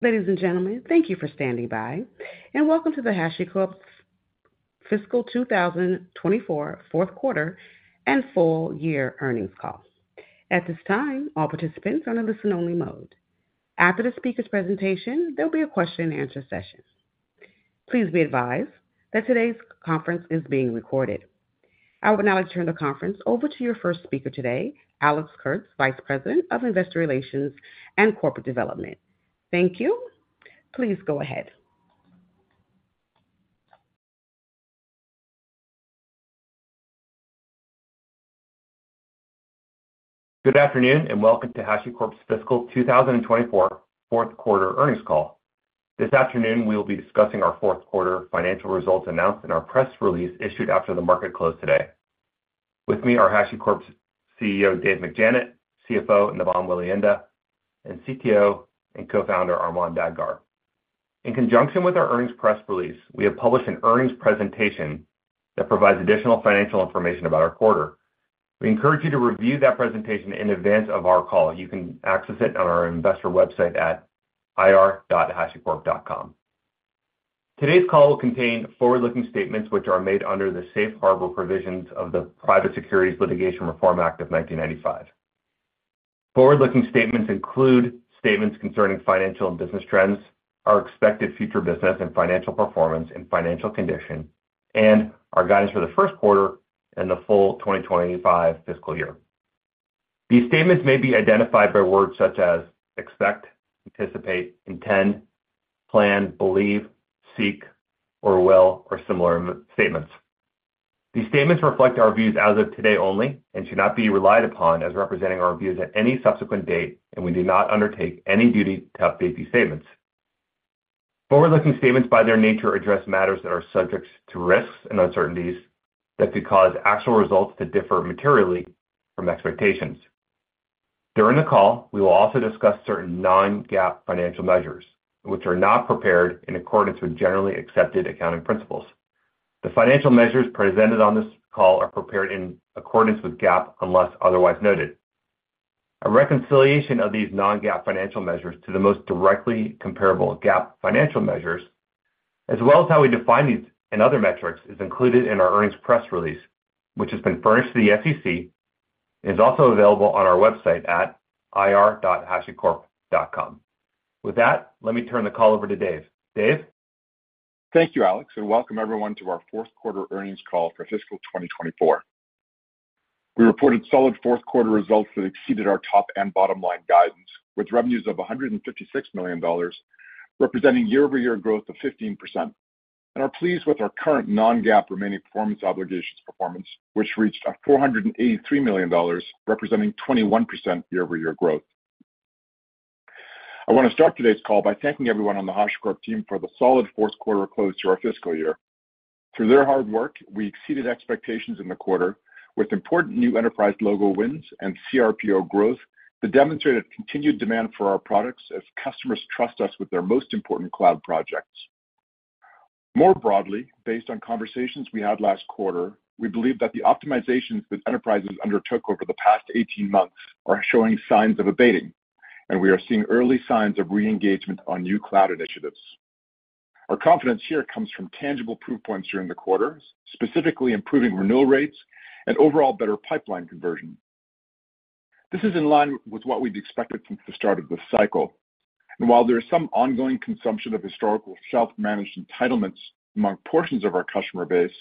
Ladies and gentlemen, thank you for standing by, and welcome to the HashiCorp Fiscal 2024 fourth quarter and full year earnings call. At this time, all participants are in a listen-only mode. After the speaker's presentation, there'll be a question-and-answer session. Please be advised that today's conference is being recorded. I would now like to turn the conference over to your first speaker today, Alex Kurtz, Vice President of Investor Relations and Corporate Development. Thank you. Please go ahead. Good afternoon and welcome to HashiCorp's Fiscal 2024 fourth quarter earnings call. This afternoon, we will be discussing our fourth quarter financial results announced in our press release issued after the market closed today. With me are HashiCorp's CEO, David McJannet, CFO, Navam Welihinda, and CTO and co-founder, Armon Dadgar. In conjunction with our earnings press release, we have published an earnings presentation that provides additional financial information about our quarter. We encourage you to review that presentation in advance of our call. You can access it on our investor website at ir.hashicorp.com. Today's call will contain forward-looking statements which are made under the Safe Harbor provisions of the Private Securities Litigation Reform Act of 1995. Forward-looking statements include statements concerning financial and business trends, our expected future business and financial performance and financial condition, and our guidance for the first quarter and the full 2025 fiscal year. These statements may be identified by words such as expect, anticipate, intend, plan, believe, seek, or will, or similar statements. These statements reflect our views as of today only and should not be relied upon as representing our views at any subsequent date, and we do not undertake any duty to update these statements. Forward-looking statements, by their nature, address matters that are subject to risks and uncertainties that could cause actual results to differ materially from expectations. During the call, we will also discuss certain non-GAAP financial measures which are not prepared in accordance with generally accepted accounting principles. The financial measures presented on this call are prepared in accordance with GAAP unless otherwise noted. A reconciliation of these non-GAAP financial measures to the most directly comparable GAAP financial measures, as well as how we define these and other metrics, is included in our earnings press release, which has been furnished to the SEC and is also available on our website at ir.hashicorp.com. With that, let me turn the call over to Dave. Dave? Thank you, Alex, and welcome everyone to our fourth quarter earnings call for Fiscal 2024. We reported solid fourth quarter results that exceeded our top and bottom line guidance, with revenues of $156 million, representing year-over-year growth of 15%, and are pleased with our current non-GAAP remaining performance obligations performance, which reached $483 million, representing 21% year-over-year growth. I want to start today's call by thanking everyone on the HashiCorp team for the solid fourth quarter close to our fiscal year. Through their hard work, we exceeded expectations in the quarter, with important new enterprise logo wins and CRPO growth that demonstrated continued demand for our products as customers trust us with their most important cloud projects. More broadly, based on conversations we had last quarter, we believe that the optimizations that enterprises undertook over the past 18 months are showing signs of abating, and we are seeing early signs of re-engagement on new cloud initiatives. Our confidence here comes from tangible proof points during the quarter, specifically improving renewal rates and overall better pipeline conversion. This is in line with what we'd expected since the start of this cycle, and while there is some ongoing consumption of historical self-managed entitlements among portions of our customer base,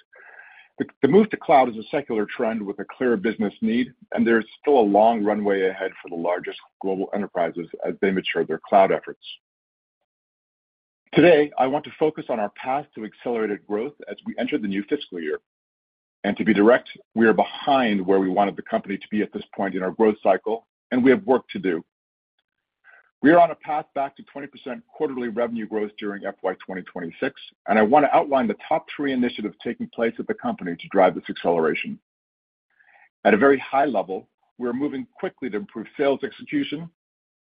the move to cloud is a secular trend with a clear business need, and there is still a long runway ahead for the largest global enterprises as they mature their cloud efforts. Today, I want to focus on our path to accelerated growth as we enter the new fiscal year. To be direct, we are behind where we wanted the company to be at this point in our growth cycle, and we have work to do. We are on a path back to 20% quarterly revenue growth during FY 2026, and I want to outline the top three initiatives taking place at the company to drive this acceleration. At a very high level, we are moving quickly to improve sales execution,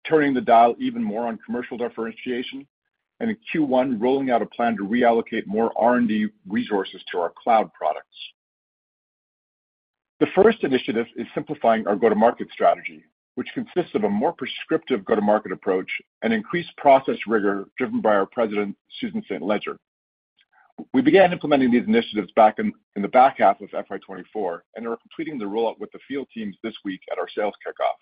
turning the dial even more on commercial differentiation, and in Q1 rolling out a plan to reallocate more R&D resources to our cloud products. The first initiative is simplifying our go-to-market strategy, which consists of a more prescriptive go-to-market approach and increased process rigor driven by our President, Susan St. Ledger. We began implementing these initiatives back in the back half of FY 2024, and we're completing the rollout with the field teams this week at our sales kickoff.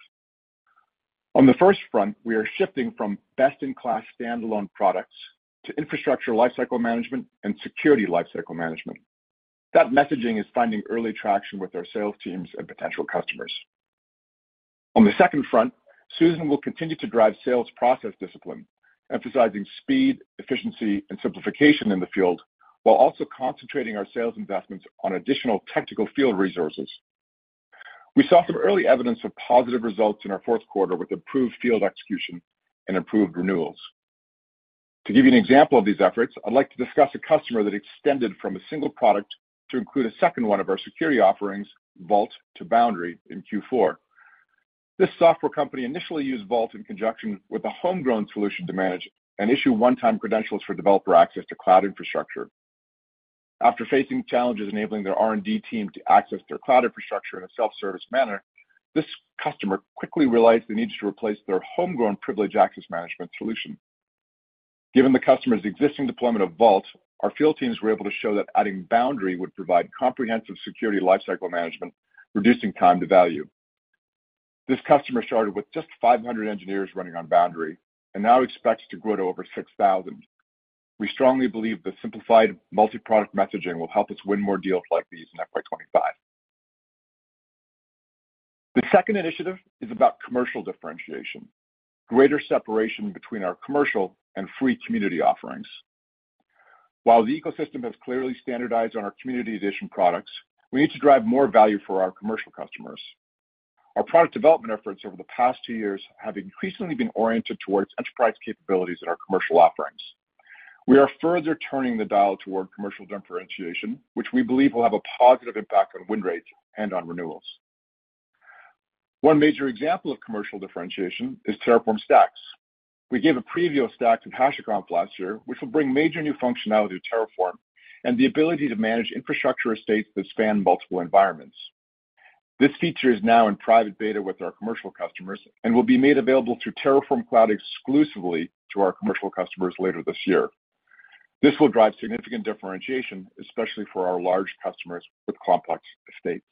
On the first front, we are shifting from best-in-class standalone products to infrastructure lifecycle management and security lifecycle management. That messaging is finding early traction with our sales teams and potential customers. On the second front, Susan will continue to drive sales process discipline, emphasizing speed, efficiency, and simplification in the field while also concentrating our sales investments on additional technical field resources. We saw some early evidence of positive results in our fourth quarter with improved field execution and improved renewals. To give you an example of these efforts, I'd like to discuss a customer that extended from a single product to include a second one of our security offerings, Vault to Boundary, in Q4. This software company initially used Vault in conjunction with a homegrown solution to manage and issue one-time credentials for developer access to cloud infrastructure. After facing challenges enabling their R&D team to access their cloud infrastructure in a self-service manner, this customer quickly realized the need to replace their homegrown privileged access management solution. Given the customer's existing deployment of Vault, our field teams were able to show that adding Boundary would provide comprehensive security lifecycle management, reducing time to value. This customer started with just 500 engineers running on Boundary and now expects to grow to over 6,000. We strongly believe the simplified multi-product messaging will help us win more deals like these in FY 2025. The second initiative is about commercial differentiation, greater separation between our commercial and free community offerings. While the ecosystem has clearly standardized on our community edition products, we need to drive more value for our commercial customers. Our product development efforts over the past two years have increasingly been oriented towards enterprise capabilities in our commercial offerings. We are further turning the dial toward commercial differentiation, which we believe will have a positive impact on win rates and on renewals. One major example of commercial differentiation is Terraform Stacks. We gave a preview of Stacks with HashiCorp last year, which will bring major new functionality to Terraform and the ability to manage infrastructure estates that span multiple environments. This feature is now in private beta with our commercial customers and will be made available through Terraform Cloud exclusively to our commercial customers later this year. This will drive significant differentiation, especially for our large customers with complex estates.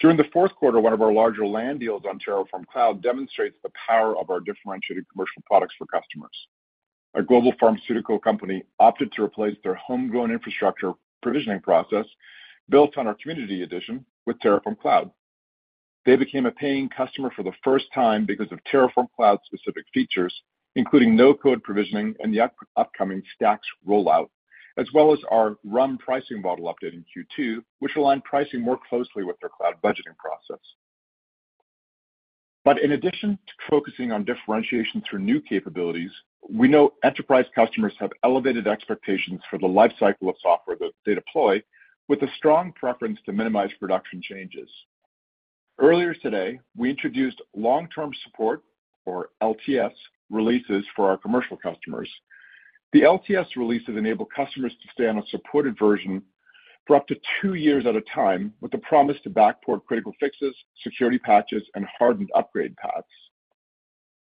During the fourth quarter, one of our larger land deals on Terraform Cloud demonstrates the power of our differentiated commercial products for customers. A global pharmaceutical company opted to replace their homegrown infrastructure provisioning process built on our community edition with Terraform Cloud. They became a paying customer for the first time because of Terraform Cloud-specific features, including no-code provisioning and the upcoming Stacks rollout, as well as our RUM pricing model update in Q2, which aligned pricing more closely with their cloud budgeting process. But in addition to focusing on differentiation through new capabilities, we know enterprise customers have elevated expectations for the lifecycle of software that they deploy, with a strong preference to minimize production changes. Earlier today, we introduced long-term support, or LTS, releases for our commercial customers. The LTS releases enable customers to stay on a supported version for up to two years at a time with the promise to backport critical fixes, security patches, and hardened upgrade paths.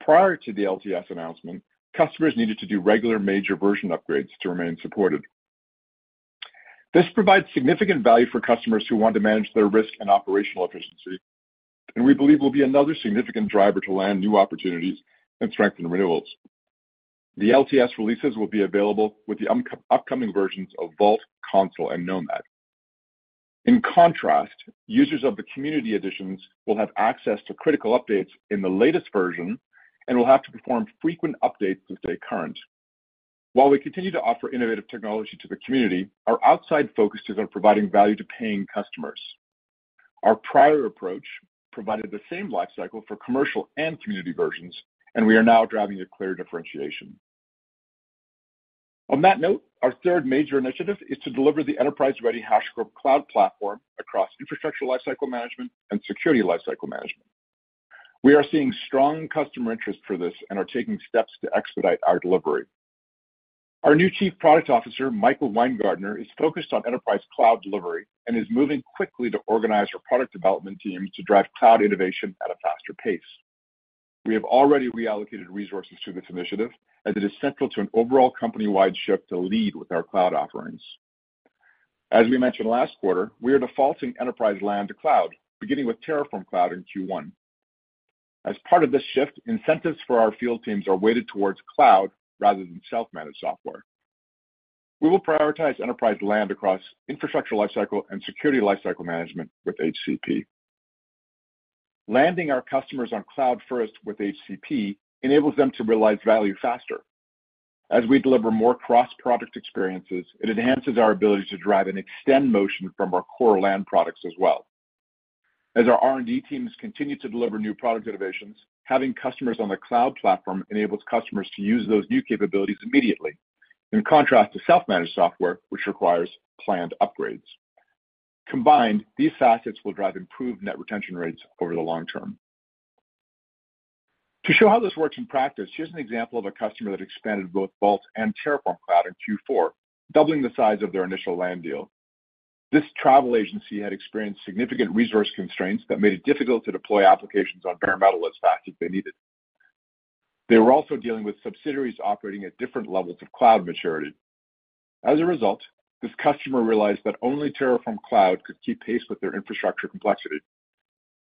Prior to the LTS announcement, customers needed to do regular major version upgrades to remain supported. This provides significant value for customers who want to manage their risk and operational efficiency, and we believe will be another significant driver to land new opportunities and strengthen renewals. The LTS releases will be available with the upcoming versions of Vault, Consul, and Nomad. In contrast, users of the community editions will have access to critical updates in the latest version and will have to perform frequent updates to stay current. While we continue to offer innovative technology to the community, our outside focus is on providing value to paying customers. Our prior approach provided the same lifecycle for commercial and community versions, and we are now driving a clear differentiation. On that note, our third major initiative is to deliver the enterprise-ready HashiCorp Cloud Platform across infrastructure lifecycle management and security lifecycle management. We are seeing strong customer interest for this and are taking steps to expedite our delivery. Our new Chief Product Officer, Michael Weingartner, is focused on enterprise cloud delivery and is moving quickly to organize our product development teams to drive cloud innovation at a faster pace. We have already reallocated resources to this initiative, as it is central to an overall company-wide shift to lead with our cloud offerings. As we mentioned last quarter, we are defaulting enterprise land to cloud, beginning with Terraform Cloud in Q1. As part of this shift, incentives for our field teams are weighted towards cloud rather than self-managed software. We will prioritize enterprise land across Infrastructure Lifecycle and Security Lifecycle Management with HCP. Landing our customers on cloud first with HCP enables them to realize value faster. As we deliver more cross-product experiences, it enhances our ability to drive and extend motion from our core land products as well. As our R&D teams continue to deliver new product innovations, having customers on the cloud platform enables customers to use those new capabilities immediately, in contrast to self-managed software, which requires planned upgrades. Combined, these facets will drive improved net retention rates over the long term. To show how this works in practice, here's an example of a customer that expanded both Vault and Terraform Cloud in Q4, doubling the size of their initial land deal. This travel agency had experienced significant resource constraints that made it difficult to deploy applications on bare metal as fast as they needed. They were also dealing with subsidiaries operating at different levels of cloud maturity. As a result, this customer realized that only Terraform Cloud could keep pace with their infrastructure complexity.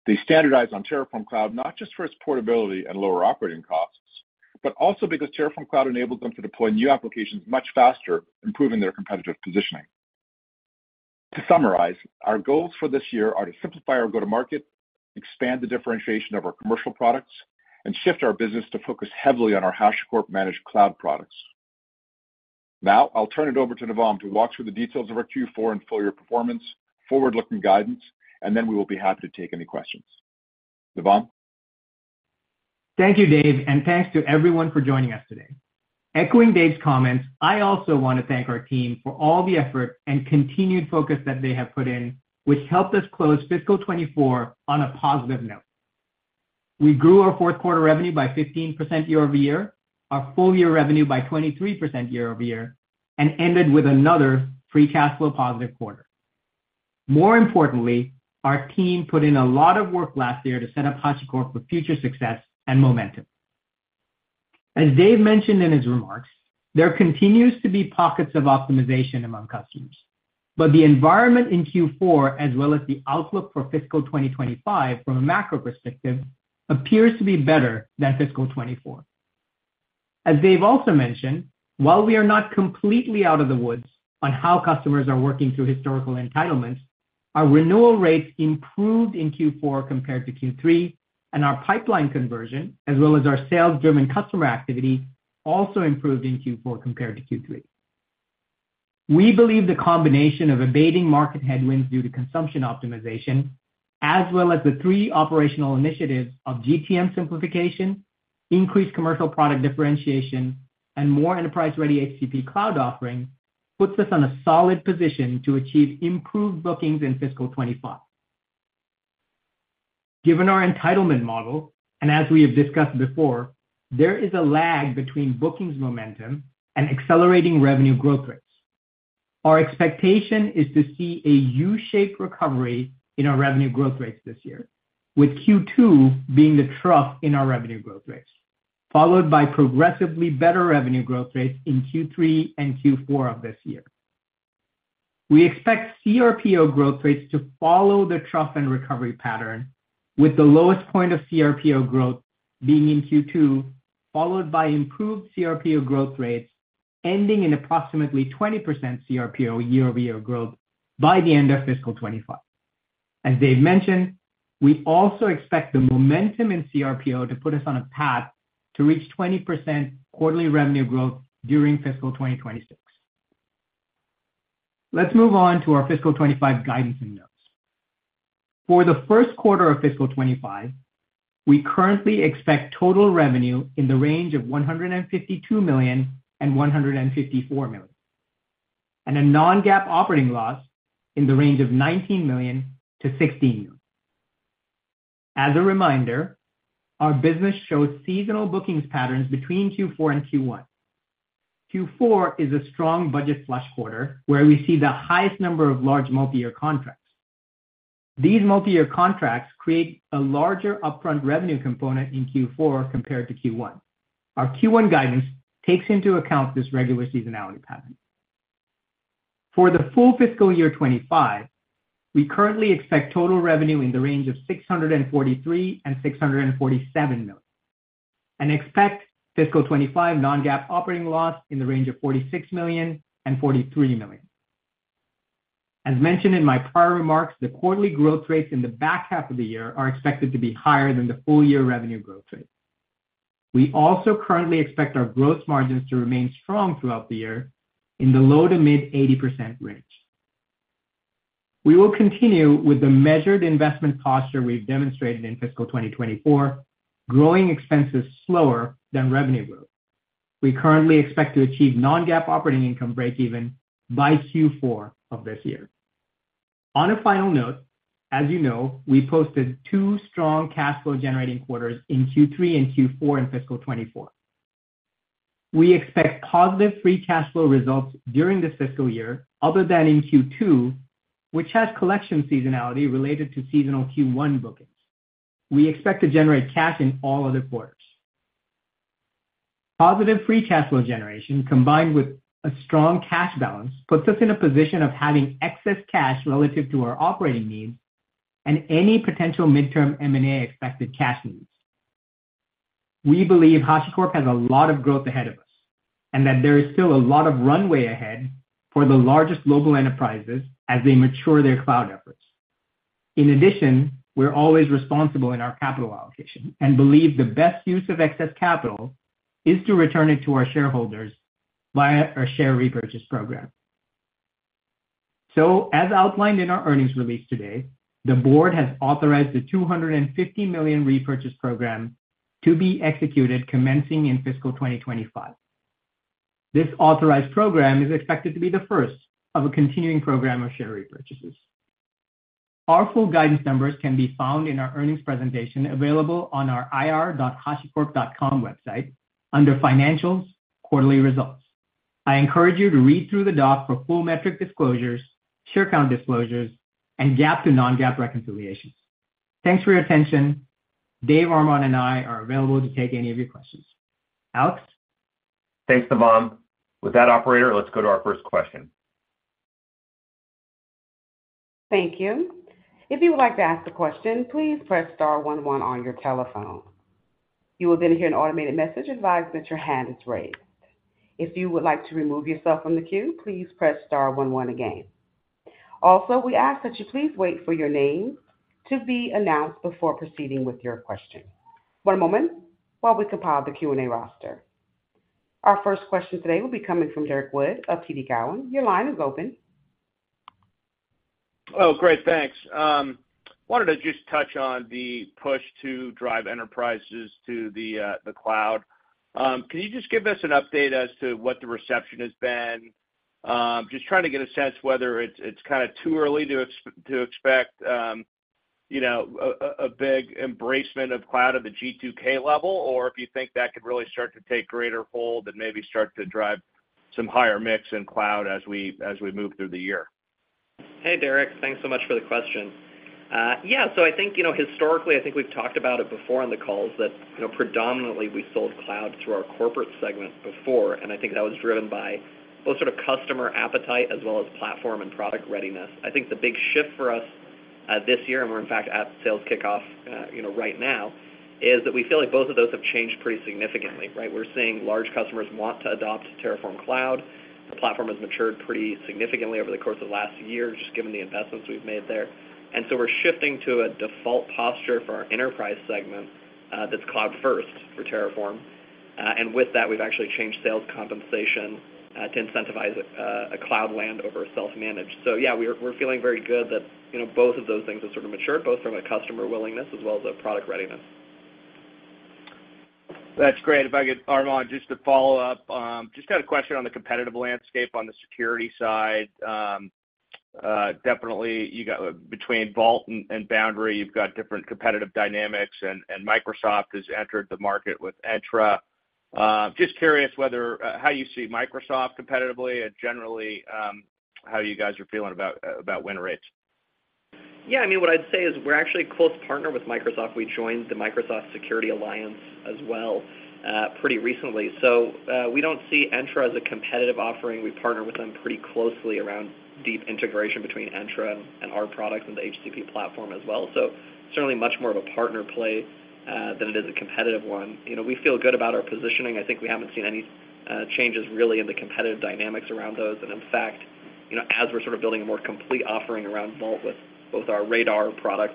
They standardized on Terraform Cloud not just for its portability and lower operating costs, but also because Terraform Cloud enabled them to deploy new applications much faster, improving their competitive positioning. To summarize, our goals for this year are to simplify our go-to-market, expand the differentiation of our commercial products, and shift our business to focus heavily on our HashiCorp-managed cloud products. Now, I'll turn it over to Navam to walk through the details of our Q4 and full-year performance, forward-looking guidance, and then we will be happy to take any questions. Navam? Thank you, Dave, and thanks to everyone for joining us today. Echoing Dave's comments, I also want to thank our team for all the effort and continued focus that they have put in, which helped us close Fiscal 2024 on a positive note. We grew our fourth quarter revenue by 15% year-over-year, our full-year revenue by 23% year-over-year, and ended with another free cash flow positive quarter. More importantly, our team put in a lot of work last year to set up HashiCorp for future success and momentum. As Dave mentioned in his remarks, there continues to be pockets of optimization among customers, but the environment in Q4, as well as the outlook for Fiscal 2025 from a macro perspective, appears to be better than Fiscal 2024. As Dave also mentioned, while we are not completely out of the woods on how customers are working through historical entitlements, our renewal rates improved in Q4 compared to Q3, and our pipeline conversion, as well as our sales-driven customer activity, also improved in Q4 compared to Q3. We believe the combination of abating market headwinds due to consumption optimization, as well as the three operational initiatives of GTM simplification, increased commercial product differentiation, and more enterprise-ready HCP cloud offering, puts us on a solid position to achieve improved bookings in Fiscal 2025. Given our entitlement model, and as we have discussed before, there is a lag between bookings momentum and accelerating revenue growth rates. Our expectation is to see a U-shaped recovery in our revenue growth rates this year, with Q2 being the trough in our revenue growth rates, followed by progressively better revenue growth rates in Q3 and Q4 of this year. We expect CRPO growth rates to follow the trough and recovery pattern, with the lowest point of CRPO growth being in Q2, followed by improved CRPO growth rates ending in approximately 20% CRPO year-over-year growth by the end of Fiscal 2025. As Dave mentioned, we also expect the momentum in CRPO to put us on a path to reach 20% quarterly revenue growth during Fiscal 2026. Let's move on to our Fiscal 2025 guidance and notes. For the first quarter of Fiscal 2025, we currently expect total revenue in the range of $152 million-$154 million, and a non-GAAP operating loss in the range of $19 million-$16 million. As a reminder, our business shows seasonal bookings patterns between Q4 and Q1. Q4 is a strong budget flush quarter where we see the highest number of large multi-year contracts. These multi-year contracts create a larger upfront revenue component in Q4 compared to Q1. Our Q1 guidance takes into account this regular seasonality pattern. For the full fiscal year 2025, we currently expect total revenue in the range of $643 million-$647 million, and expect Fiscal 2025 non-GAAP operating loss in the range of $46 million-$43 million. As mentioned in my prior remarks, the quarterly growth rates in the back half of the year are expected to be higher than the full-year revenue growth rate. We also currently expect our growth margins to remain strong throughout the year, in the low- to mid-80% range. We will continue with the measured investment posture we've demonstrated in Fiscal 2024, growing expenses slower than revenue growth. We currently expect to achieve non-GAAP operating income breakeven by Q4 of this year. On a final note, as you know, we posted two strong cash flow-generating quarters in Q3 and Q4 in Fiscal 2024. We expect positive free cash flow results during this fiscal year, other than in Q2, which has collection seasonality related to seasonal Q1 bookings. We expect to generate cash in all other quarters. Positive free cash flow generation, combined with a strong cash balance, puts us in a position of having excess cash relative to our operating needs and any potential midterm M&A expected cash needs. We believe HashiCorp has a lot of growth ahead of us and that there is still a lot of runway ahead for the largest global enterprises as they mature their cloud efforts. In addition, we're always responsible in our capital allocation and believe the best use of excess capital is to return it to our shareholders via our share repurchase program. So, as outlined in our earnings release today, the board has authorized the $250 million repurchase program to be executed commencing in Fiscal 2025. This authorized program is expected to be the first of a continuing program of share repurchases. Our full guidance numbers can be found in our earnings presentation available on our ir.hashicorp.com website under Financials, Quarterly Results. I encourage you to read through the doc for full metric disclosures, share count disclosures, and GAAP-to-non-GAAP reconciliations. Thanks for your attention. Dave, Armon, and I are available to take any of your questions. Alex? Thanks, Navam. With that, operator, let's go to our first question. Thank you. If you would like to ask a question, please press star 11 on your telephone. You will then hear an automated message advising that your hand is raised. If you would like to remove yourself from the queue, please press star 11 again. Also, we ask that you please wait for your name to be announced before proceeding with your question. One moment while we compile the Q&A roster. Our first question today will be coming from Derek Wood of TD Cowen. Your line is open. Oh, great. Thanks. Wanted to just touch on the push to drive enterprises to the cloud. Can you just give us an update as to what the reception has been? Just trying to get a sense whether it's kind of too early to expect a big embracement of cloud at the G2K level, or if you think that could really start to take greater hold and maybe start to drive some higher mix in cloud as we move through the year. Hey, Derek. Thanks so much for the question. Yeah, so I think historically, I think we've talked about it before on the calls, that predominantly we sold cloud through our corporate segment before, and I think that was driven by both sort of customer appetite as well as platform and product readiness. I think the big shift for us this year, and we're, in fact, at sales kickoff right now, is that we feel like both of those have changed pretty significantly, right? We're seeing large customers want to adopt Terraform Cloud. The platform has matured pretty significantly over the course of the last year, just given the investments we've made there. And so we're shifting to a default posture for our enterprise segment that's cloud-first for Terraform. And with that, we've actually changed sales compensation to incentivize a cloud land over a self-managed. So yeah, we're feeling very good that both of those things have sort of matured, both from a customer willingness as well as a product readiness. That's great. If I could, Armon, just to follow up, just had a question on the competitive landscape on the security side. Definitely, between Vault and Boundary, you've got different competitive dynamics, and Microsoft has entered the market with Entra. Just curious how you see Microsoft competitively and generally how you guys are feeling about win rates. Yeah, I mean, what I'd say is we're actually a close partner with Microsoft. We joined the Microsoft Security Alliance as well pretty recently. So we don't see Entra as a competitive offering. We partner with them pretty closely around deep integration between Entra and our products and the HCP platform as well. So certainly much more of a partner play than it is a competitive one. We feel good about our positioning. I think we haven't seen any changes really in the competitive dynamics around those. And in fact, as we're sort of building a more complete offering around Vault with both our Radar product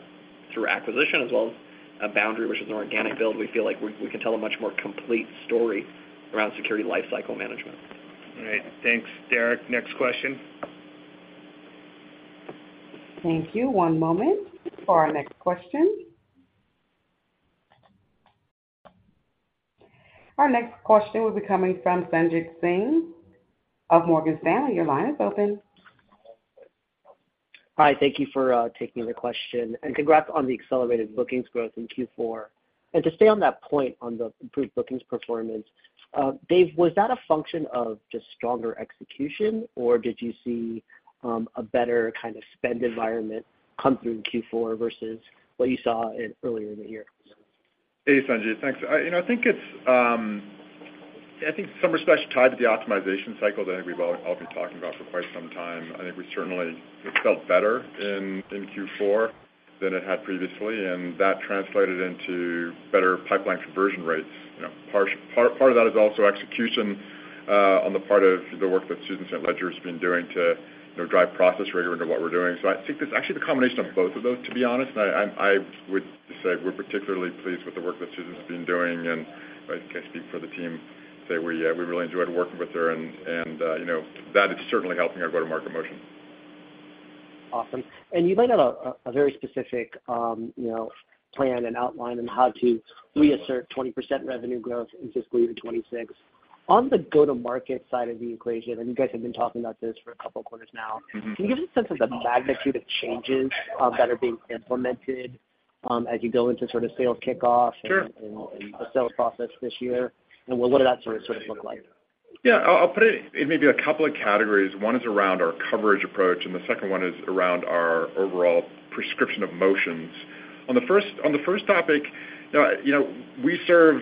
through acquisition as well as Boundary, which is an organic build, we feel like we can tell a much more complete story around Security Lifecycle Management. All right. Thanks, Derek. Next question. Thank you. One moment for our next question. Our next question will be coming from Sanjit Singh of Morgan Stanley. Your line is open. Hi. Thank you for taking the question. And congrats on the accelerated bookings growth in Q4. And to stay on that point on the improved bookings performance, Dave, was that a function of just stronger execution, or did you see a better kind of spend environment come through in Q4 versus what you saw earlier in the year? Hey, Sanjit. Thanks. I think it's somewhere special tied to the optimization cycle that I think we've all been talking about for quite some time. I think we certainly felt better in Q4 than it had previously, and that translated into better pipeline conversion rates. Part of that is also execution on the part of the work that Susan St. Ledger's been doing to drive process rigor into what we're doing. So I think it's actually the combination of both of those, to be honest. And I would say we're particularly pleased with the work that Susan's been doing. And I think I speak for the team, say we really enjoyed working with her, and that is certainly helping our go-to-market motion. Awesome. And you laid out a very specific plan and outline on how to reassert 20% revenue growth in fiscal year 2026. On the go-to-market side of the equation, and you guys have been talking about this for a couple of quarters now, can you give us a sense of the magnitude of changes that are being implemented as you go into sort of sales kickoff and the sales process this year? And what does that sort of look like? Yeah. I'll put it in maybe a couple of categories. One is around our coverage approach, and the second one is around our overall prescription of motions. On the first topic, we serve,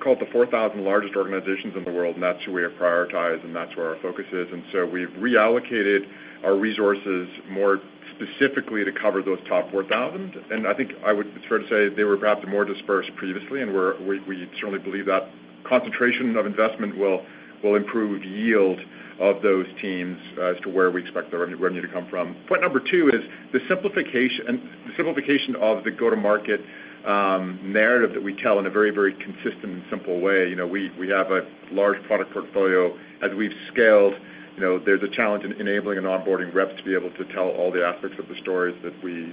call it, the 4,000 largest organizations in the world, and that's who we have prioritized, and that's where our focus is. And so we've reallocated our resources more specifically to cover those top 4,000. And I think it's fair to say they were perhaps more dispersed previously, and we certainly believe that concentration of investment will improve yield of those teams as to where we expect the revenue to come from. Point number two is the simplification of the go-to-market narrative that we tell in a very, very consistent and simple way. We have a large product portfolio. As we've scaled, there's a challenge in enabling an onboarding rep to be able to tell all the aspects of the stories that we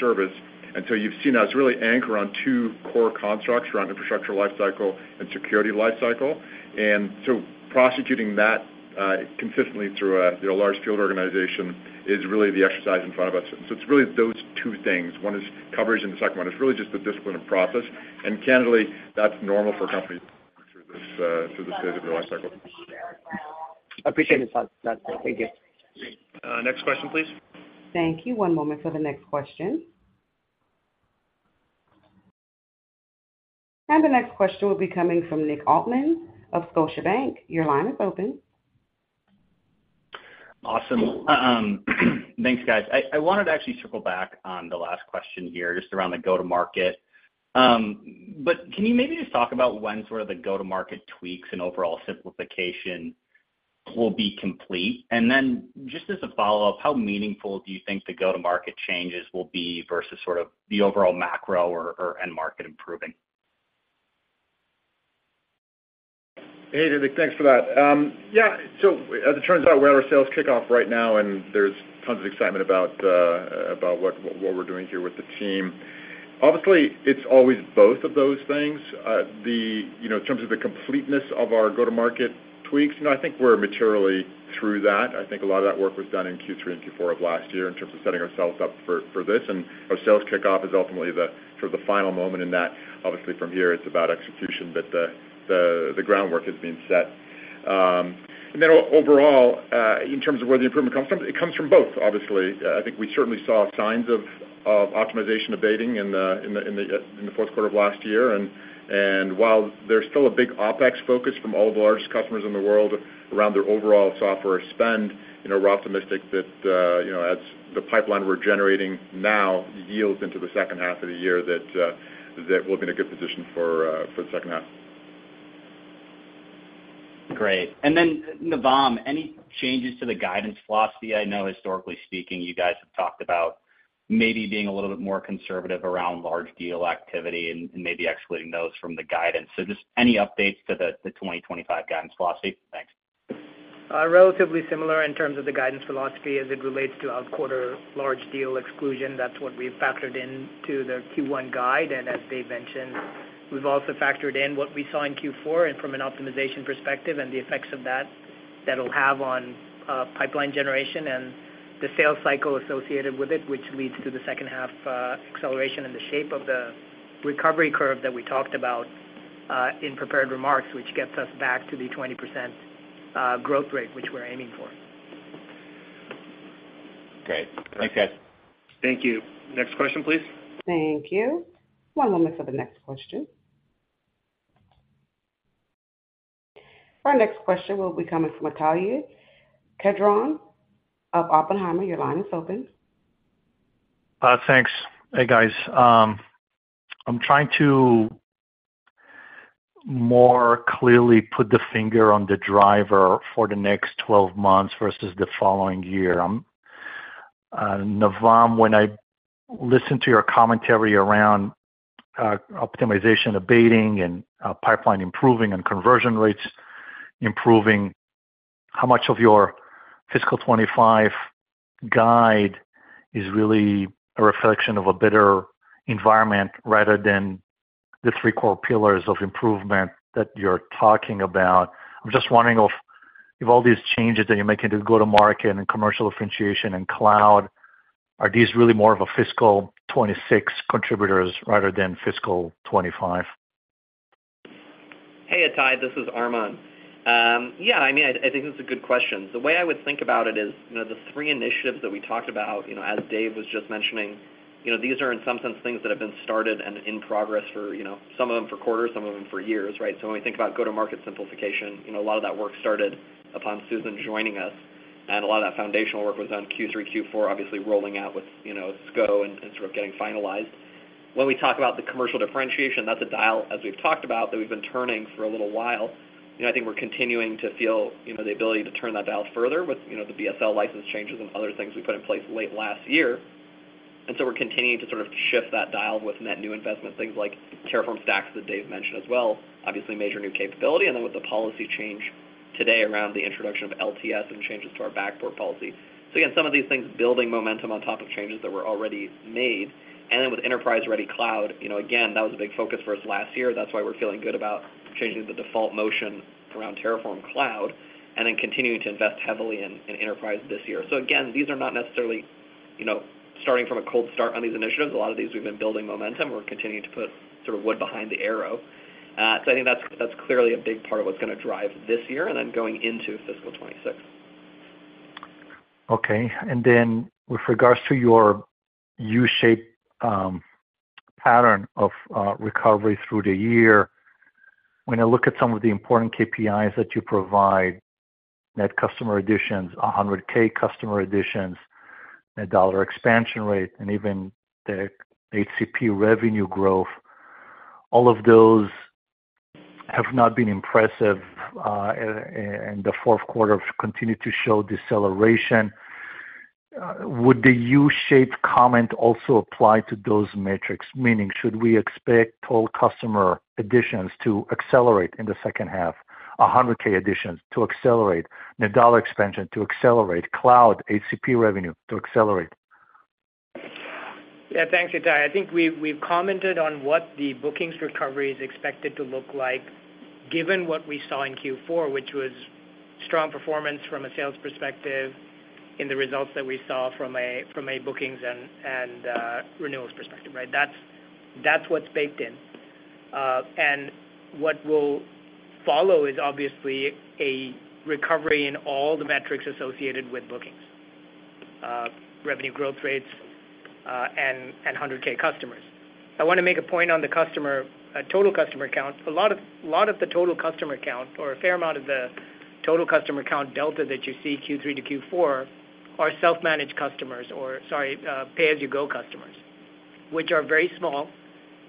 service. And so you've seen us really anchor on two core constructs around infrastructure lifecycle and security lifecycle. And so prosecuting that consistently through a large field organization is really the exercise in front of us. And so it's really those two things. One is coverage, and the second one is really just the discipline and process. And candidly, that's normal for companies through this phase of their lifecycle. Appreciate his thoughts. Thank you. Next question, please. Thank you. One moment for the next question. The next question will be coming from Nick Altman of Scotiabank. Your line is open. Awesome. Thanks, guys. I wanted to actually circle back on the last question here, just around the go-to-market. But can you maybe just talk about when sort of the go-to-market tweaks and overall simplification will be complete? And then just as a follow-up, how meaningful do you think the go-to-market changes will be versus sort of the overall macro or end market improving? Hey, Derek. Thanks for that. Yeah. So as it turns out, we're at our sales kickoff right now, and there's tons of excitement about what we're doing here with the team. Obviously, it's always both of those things. In terms of the completeness of our go-to-market tweaks, I think we're materially through that. I think a lot of that work was done in Q3 and Q4 of last year in terms of setting ourselves up for this. And our sales kickoff is ultimately sort of the final moment in that. Obviously, from here, it's about execution, but the groundwork has been set. And then overall, in terms of where the improvement comes from, it comes from both, obviously. I think we certainly saw signs of optimization abating in the fourth quarter of last year. While there's still a big OpEx focus from all of the largest customers in the world around their overall software spend, we're optimistic that as the pipeline we're generating now yields into the second half of the year, that we'll be in a good position for the second half. Great. And then, Navam, any changes to the guidance philosophy? I know historically speaking, you guys have talked about maybe being a little bit more conservative around large deal activity and maybe excluding those from the guidance. So just any updates to the 2025 guidance philosophy? Thanks. Relatively similar in terms of the guidance philosophy as it relates to out-quarter large deal exclusion. That's what we've factored into the Q1 guide. And as Dave mentioned, we've also factored in what we saw in Q4 from an optimization perspective and the effects of that that'll have on pipeline generation and the sales cycle associated with it, which leads to the second-half acceleration and the shape of the recovery curve that we talked about in prepared remarks, which gets us back to the 20% growth rate which we're aiming for. Great. Thanks, guys. Thank you. Next question, please. Thank you. One moment for the next question. Our next question will be coming from Ittai Kidron of Oppenheimer. Your line is open. Thanks. Hey, guys. I'm trying to more clearly put the finger on the driver for the next 12 months versus the following year. Navam, when I listen to your commentary around optimization abating and pipeline improving and conversion rates improving, how much of your fiscal 2025 guide is really a reflection of a better environment rather than the three core pillars of improvement that you're talking about? I'm just wondering if all these changes that you're making to go-to-market and commercial differentiation and cloud, are these really more of a fiscal 2026 contributors rather than fiscal 2025? Hey, Ittai. This is Armon. Yeah, I mean, I think this is a good question. The way I would think about it is the three initiatives that we talked about, as Dave was just mentioning, these are in some sense things that have been started and in progress for some of them for quarters, some of them for years, right? So when we think about go-to-market simplification, a lot of that work started upon Susan joining us, and a lot of that foundational work was done Q3, Q4, obviously rolling out with SCO and sort of getting finalized. When we talk about the commercial differentiation, that's a dial as we've talked about that we've been turning for a little while. I think we're continuing to feel the ability to turn that dial further with the BSL license changes and other things we put in place late last year. And so we're continuing to sort of shift that dial with net new investment, things like Terraform Stacks that Dave mentioned as well, obviously major new capability, and then with the policy change today around the introduction of LTS and changes to our backlog policy. So again, some of these things building momentum on top of changes that were already made. And then with enterprise-ready cloud, again, that was a big focus for us last year. That's why we're feeling good about changing the default motion around Terraform Cloud and then continuing to invest heavily in enterprise this year. So again, these are not necessarily starting from a cold start on these initiatives. A lot of these, we've been building momentum. We're continuing to put sort of wood behind the arrow. I think that's clearly a big part of what's going to drive this year and then going into fiscal 2026. Okay. And then with regards to your U-shaped pattern of recovery through the year, when I look at some of the important KPIs that you provide, net customer additions, 100K customer additions, net dollar expansion rate, and even the HCP revenue growth, all of those have not been impressive, and the fourth quarter has continued to show deceleration. Would the U-shaped comment also apply to those metrics, meaning should we expect total customer additions to accelerate in the second half, 100K additions to accelerate, net dollar expansion to accelerate, cloud, HCP revenue to accelerate? Yeah, thanks, Ittai. I think we've commented on what the bookings recovery is expected to look like given what we saw in Q4, which was strong performance from a sales perspective in the results that we saw from a bookings and renewals perspective, right? That's what's baked in. And what will follow is obviously a recovery in all the metrics associated with bookings, revenue growth rates, and $100,000 customers. I want to make a point on the total customer count. A lot of the total customer count or a fair amount of the total customer count delta that you see Q3 to Q4 are self-managed customers or, sorry, pay-as-you-go customers, which are very small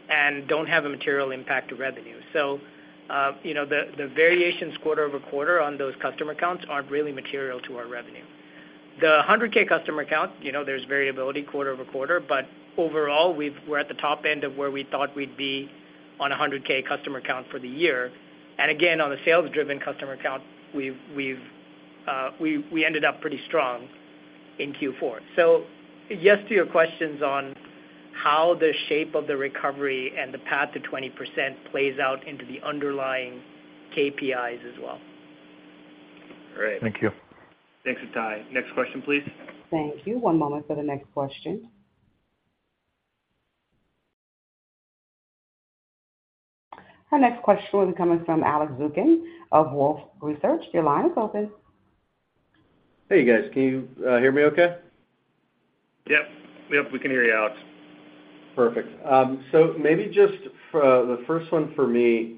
and don't have a material impact to revenue. So the variations quarter-over-quarter on those customer counts aren't really material to our revenue. The 100K customer count, there's variability quarter over quarter, but overall, we're at the top end of where we thought we'd be on 100K customer count for the year. And again, on the sales-driven customer count, we ended up pretty strong in Q4. So yes to your questions on how the shape of the recovery and the path to 20% plays out into the underlying KPIs as well. All right. Thank you. Thanks, Ittai. Next question, please. Thank you. One moment for the next question. Our next question will be coming from Alex Zukin of Wolfe Research. Your line is open. Hey, guys. Can you hear me okay? Yep. Yep, we can hear you out. Perfect. So maybe just the first one for me,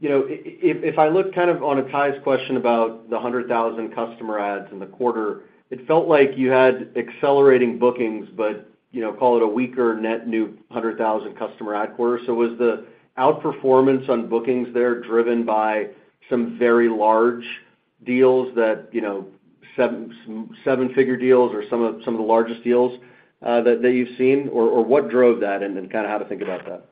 if I look kind of on Ittai's question about the 100,000 customer adds in the quarter, it felt like you had accelerating bookings, but call it a weaker net new 100,000 customer add quarter. So was the outperformance on bookings there driven by some very large deals, seven-figure deals, or some of the largest deals that you've seen? Or what drove that and kind of how to think about that?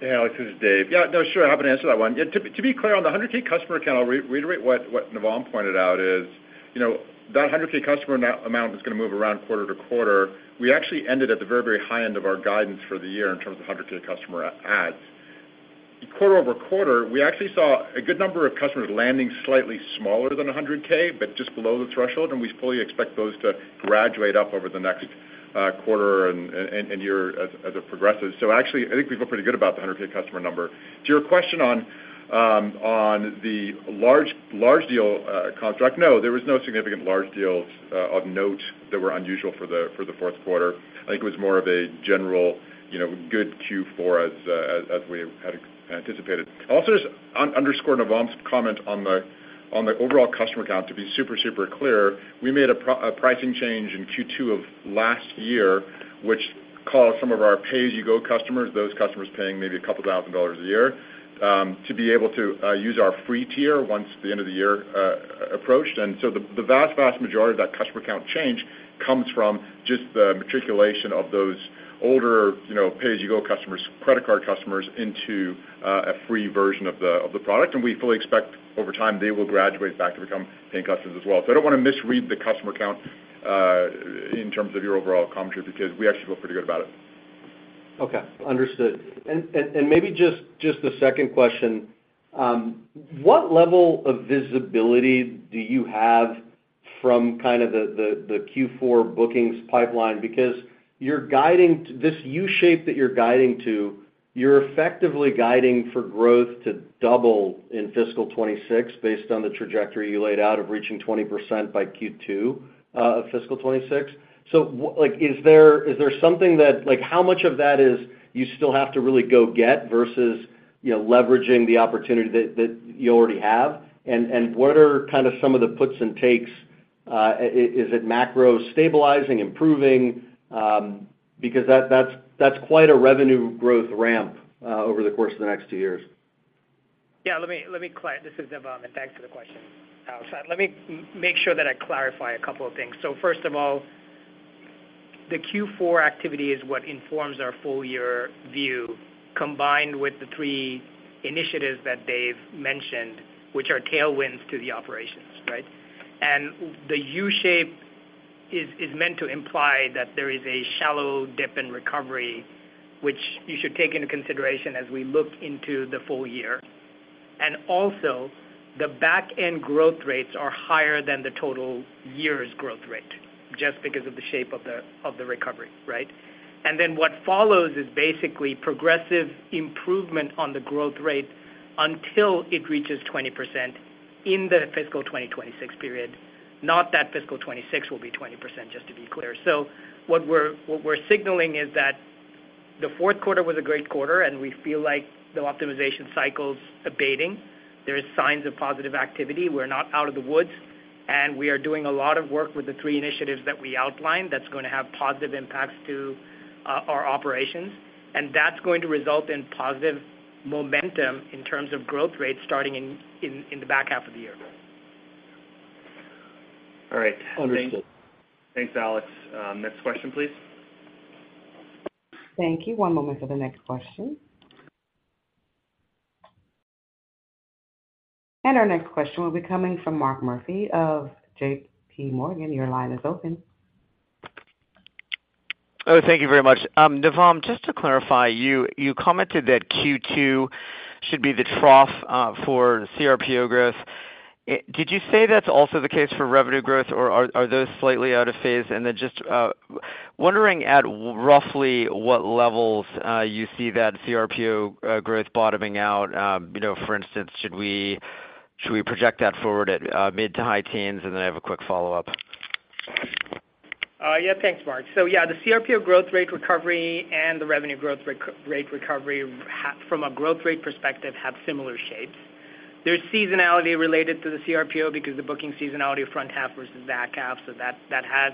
Hey, Alex, this is Dave. Yeah, no, sure. Happy to answer that one. Yeah, to be clear, on the 100K customer count, I'll reiterate what Navam pointed out is that 100K customer amount is going to move around quarter to quarter. We actually ended at the very, very high end of our guidance for the year in terms of 100K customer adds. Quarter-over-quarter, we actually saw a good number of customers landing slightly smaller than 100K, but just below the threshold, and we fully expect those to graduate up over the next quarter and year as it progresses. So actually, I think we feel pretty good about the 100K customer number. To your question on the large deal contract, no, there was no significant large deals of note that were unusual for the fourth quarter. I think it was more of a general good Q4 as we had anticipated. I'll also just underscore Navam's comment on the overall customer count. To be super, super clear, we made a pricing change in Q2 of last year, which caused some of our pay-as-you-go customers, those customers paying maybe $2,000 a year, to be able to use our free tier once the end of the year approached. And so the vast, vast majority of that customer count change comes from just the matriculation of those older pay-as-you-go customers, credit card customers, into a free version of the product. And we fully expect over time, they will graduate back to become paying customers as well. So I don't want to misread the customer count in terms of your overall commentary because we actually feel pretty good about it. Okay. Understood. And maybe just the second question, what level of visibility do you have from kind of the Q4 bookings pipeline? Because this U-shape that you're guiding to, you're effectively guiding for growth to double in fiscal 2026 based on the trajectory you laid out of reaching 20% by Q2 of fiscal 2026. So is there something that how much of that is you still have to really go get versus leveraging the opportunity that you already have? What are kind of some of the puts and takes? Is it macro stabilizing, improving? Because that's quite a revenue growth ramp over the course of the next two years. Yeah, let me - this is Navam, and thanks for the question, Alex. Let me make sure that I clarify a couple of things. So first of all, the Q4 activity is what informs our full-year view combined with the three initiatives that Dave mentioned, which are tailwinds to the operations, right? And the U-shape is meant to imply that there is a shallow dip in recovery, which you should take into consideration as we look into the full year. And also, the backend growth rates are higher than the total year's growth rate just because of the shape of the recovery, right? And then what follows is basically progressive improvement on the growth rate until it reaches 20% in the fiscal 2026 period. Not that fiscal 2026 will be 20%, just to be clear. So what we're signaling is that the fourth quarter was a great quarter, and we feel like the optimization cycle's abating. There are signs of positive activity. We're not out of the woods. And we are doing a lot of work with the three initiatives that we outlined that's going to have positive impacts to our operations. And that's going to result in positive momentum in terms of growth rates starting in the back half of the year. All right. Understood. Thanks, Alex. Next question, please. Thank you. One moment for the next question. Our next question will be coming from Mark Murphy of J.P. Morgan. Your line is open. Oh, thank you very much. Navam, just to clarify, you commented that Q2 should be the trough for CRPO growth. Did you say that's also the case for revenue growth, or are those slightly out of phase? And then just wondering at roughly what levels you see that CRPO growth bottoming out. For instance, should we project that forward at mid to high teens? And then I have a quick follow-up. Yeah, thanks, Mark. So yeah, the CRPO growth rate recovery and the revenue growth rate recovery, from a growth rate perspective, have similar shapes. There's seasonality related to the CRPO because the booking seasonality of front half versus back half. So that has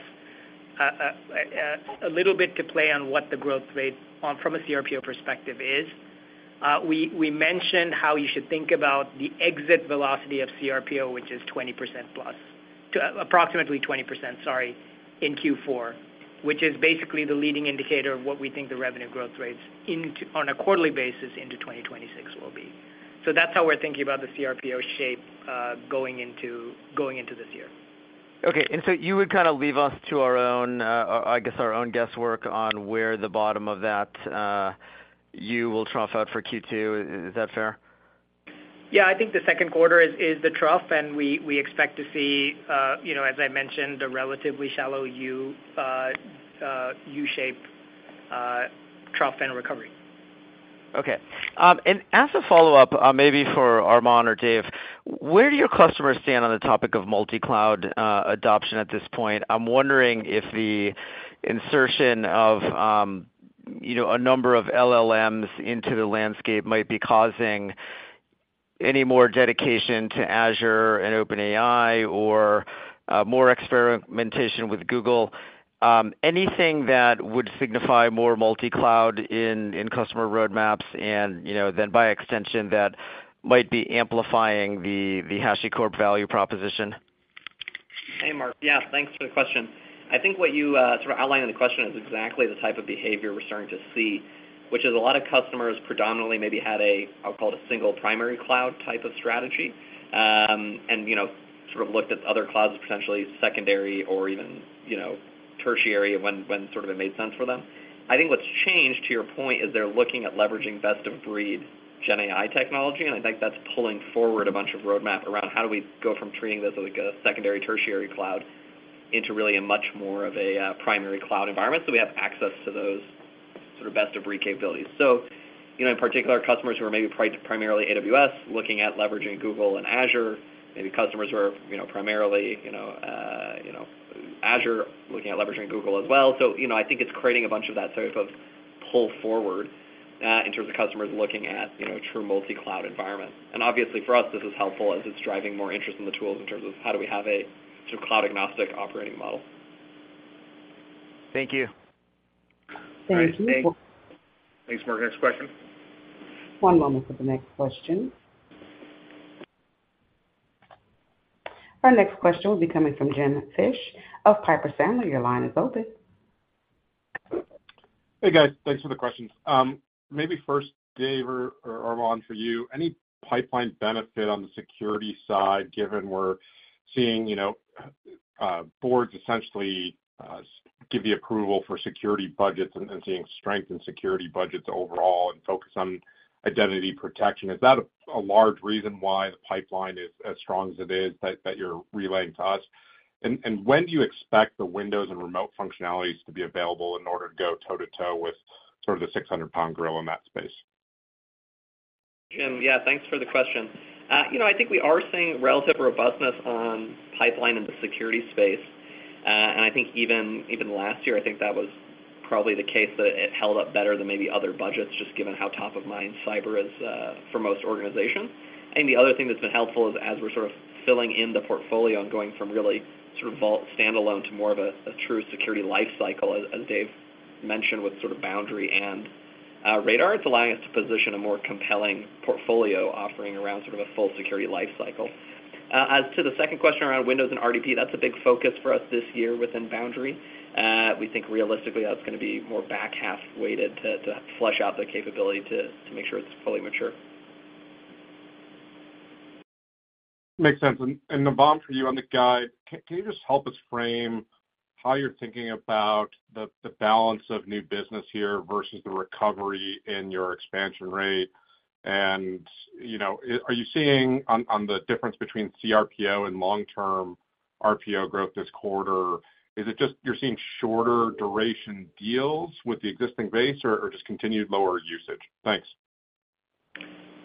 a little bit to play on what the growth rate from a CRPO perspective is. We mentioned how you should think about the exit velocity of CRPO, which is approximately 20%, sorry, in Q4, which is basically the leading indicator of what we think the revenue growth rates on a quarterly basis into 2026 will be. So that's how we're thinking about the CRPO shape going into this year. Okay. And so you would kind of leave us to our own, I guess, our own guesswork on where the bottom of that U will trough out for Q2. Is that fair? Yeah, I think the second quarter is the trough, and we expect to see, as I mentioned, a relatively shallow U-shape trough and recovery. Okay. As a follow-up, maybe for Armon or Dave, where do your customers stand on the topic of multi-cloud adoption at this point? I'm wondering if the insertion of a number of LLMs into the landscape might be causing any more dedication to Azure and OpenAI or more experimentation with Google. Anything that would signify more multi-cloud in customer roadmaps and then, by extension, that might be amplifying the HashiCorp value proposition? Hey, Mark. Yeah, thanks for the question. I think what you sort of outlined in the question is exactly the type of behavior we're starting to see, which is a lot of customers predominantly maybe had a, I'll call it, a single primary cloud type of strategy and sort of looked at other clouds as potentially secondary or even tertiary when sort of it made sense for them. I think what's changed, to your point, is they're looking at leveraging best-of-breed GenAI technology. And I think that's pulling forward a bunch of roadmap around how do we go from treating this as a secondary tertiary cloud into really a much more of a primary cloud environment so we have access to those sort of best-of-breed capabilities. So in particular, customers who are maybe primarily AWS looking at leveraging Google and Azure, maybe customers who are primarily Azure looking at leveraging Google as well. So I think it's creating a bunch of that type of pull forward in terms of customers looking at a true multicloud environment. And obviously, for us, this is helpful as it's driving more interest in the tools in terms of how do we have a sort of cloud-agnostic operating model. Thank you. Thank you. Thanks, Mark. Next question. One moment for the next question. Our next question will be coming from Jim Fish of Piper Sandler. Your line is open. Hey, guys. Thanks for the questions. Maybe first, Dave or Armon, for you, any pipeline benefit on the security side given we're seeing boards essentially give the approval for security budgets and seeing strength in security budgets overall and focus on identity protection? Is that a large reason why the pipeline is as strong as it is that you're relaying to us? And when do you expect the Windows and remote functionalities to be available in order to go toe-to-toe with sort of the 600-pound gorilla in that space? Jim, yeah, thanks for the question. I think we are seeing relative robustness on pipeline in the security space. And I think even last year, I think that was probably the case that it held up better than maybe other budgets just given how top-of-mind cyber is for most organizations. I think the other thing that's been helpful is as we're sort of filling in the portfolio and going from really sort of standalone to more of a true security lifecycle, as Dave mentioned with sort of Boundary and Radar, it's allowing us to position a more compelling portfolio offering around sort of a full security lifecycle. As to the second question around Windows and RDP, that's a big focus for us this year within Boundary. We think realistically, that's going to be more back half-weighted to flush out the capability to make sure it's fully mature. Makes sense. Navam, for you on the guide, can you just help us frame how you're thinking about the balance of new business here versus the recovery in your expansion rate? Are you seeing on the difference between CRPO and long-term RPO growth this quarter, is it just you're seeing shorter duration deals with the existing base or just continued lower usage? Thanks.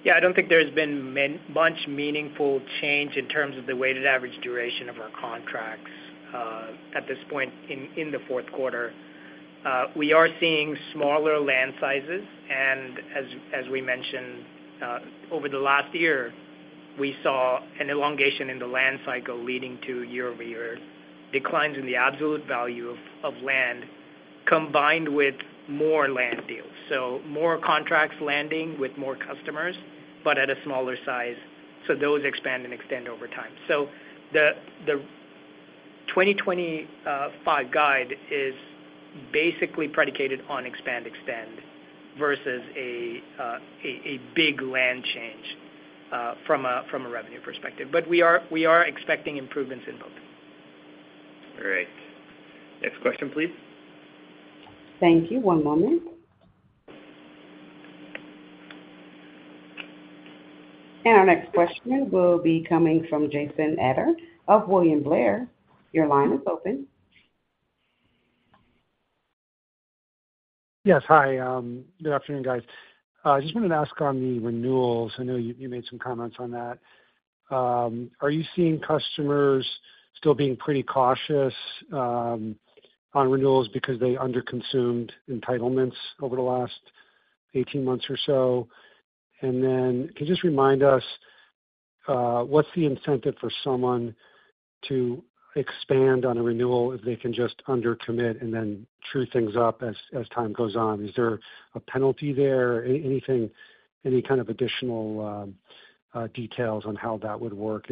Yeah, I don't think there's been much meaningful change in terms of the weighted average duration of our contracts at this point in the fourth quarter. We are seeing smaller land sizes. And as we mentioned, over the last year, we saw an elongation in the land cycle leading to year-over-year declines in the absolute value of land combined with more land deals. So more contracts landing with more customers, but at a smaller size. So those expand and extend over time. So the 2025 guide is basically predicated on expand, extend versus a big land change from a revenue perspective. But we are expecting improvements in both. All right. Next question, please. Thank you. One moment. Our next questioner will be coming from Jason Ader of William Blair. Your line is open. Yes, hi. Good afternoon, guys. I just wanted to ask on the renewals. I know you made some comments on that. Are you seeing customers still being pretty cautious on renewals because they underconsumed entitlements over the last 18 months or so? And then can you just remind us what's the incentive for someone to expand on a renewal if they can just undercommit and then true things up as time goes on? Is there a penalty there? Any kind of additional details on how that would work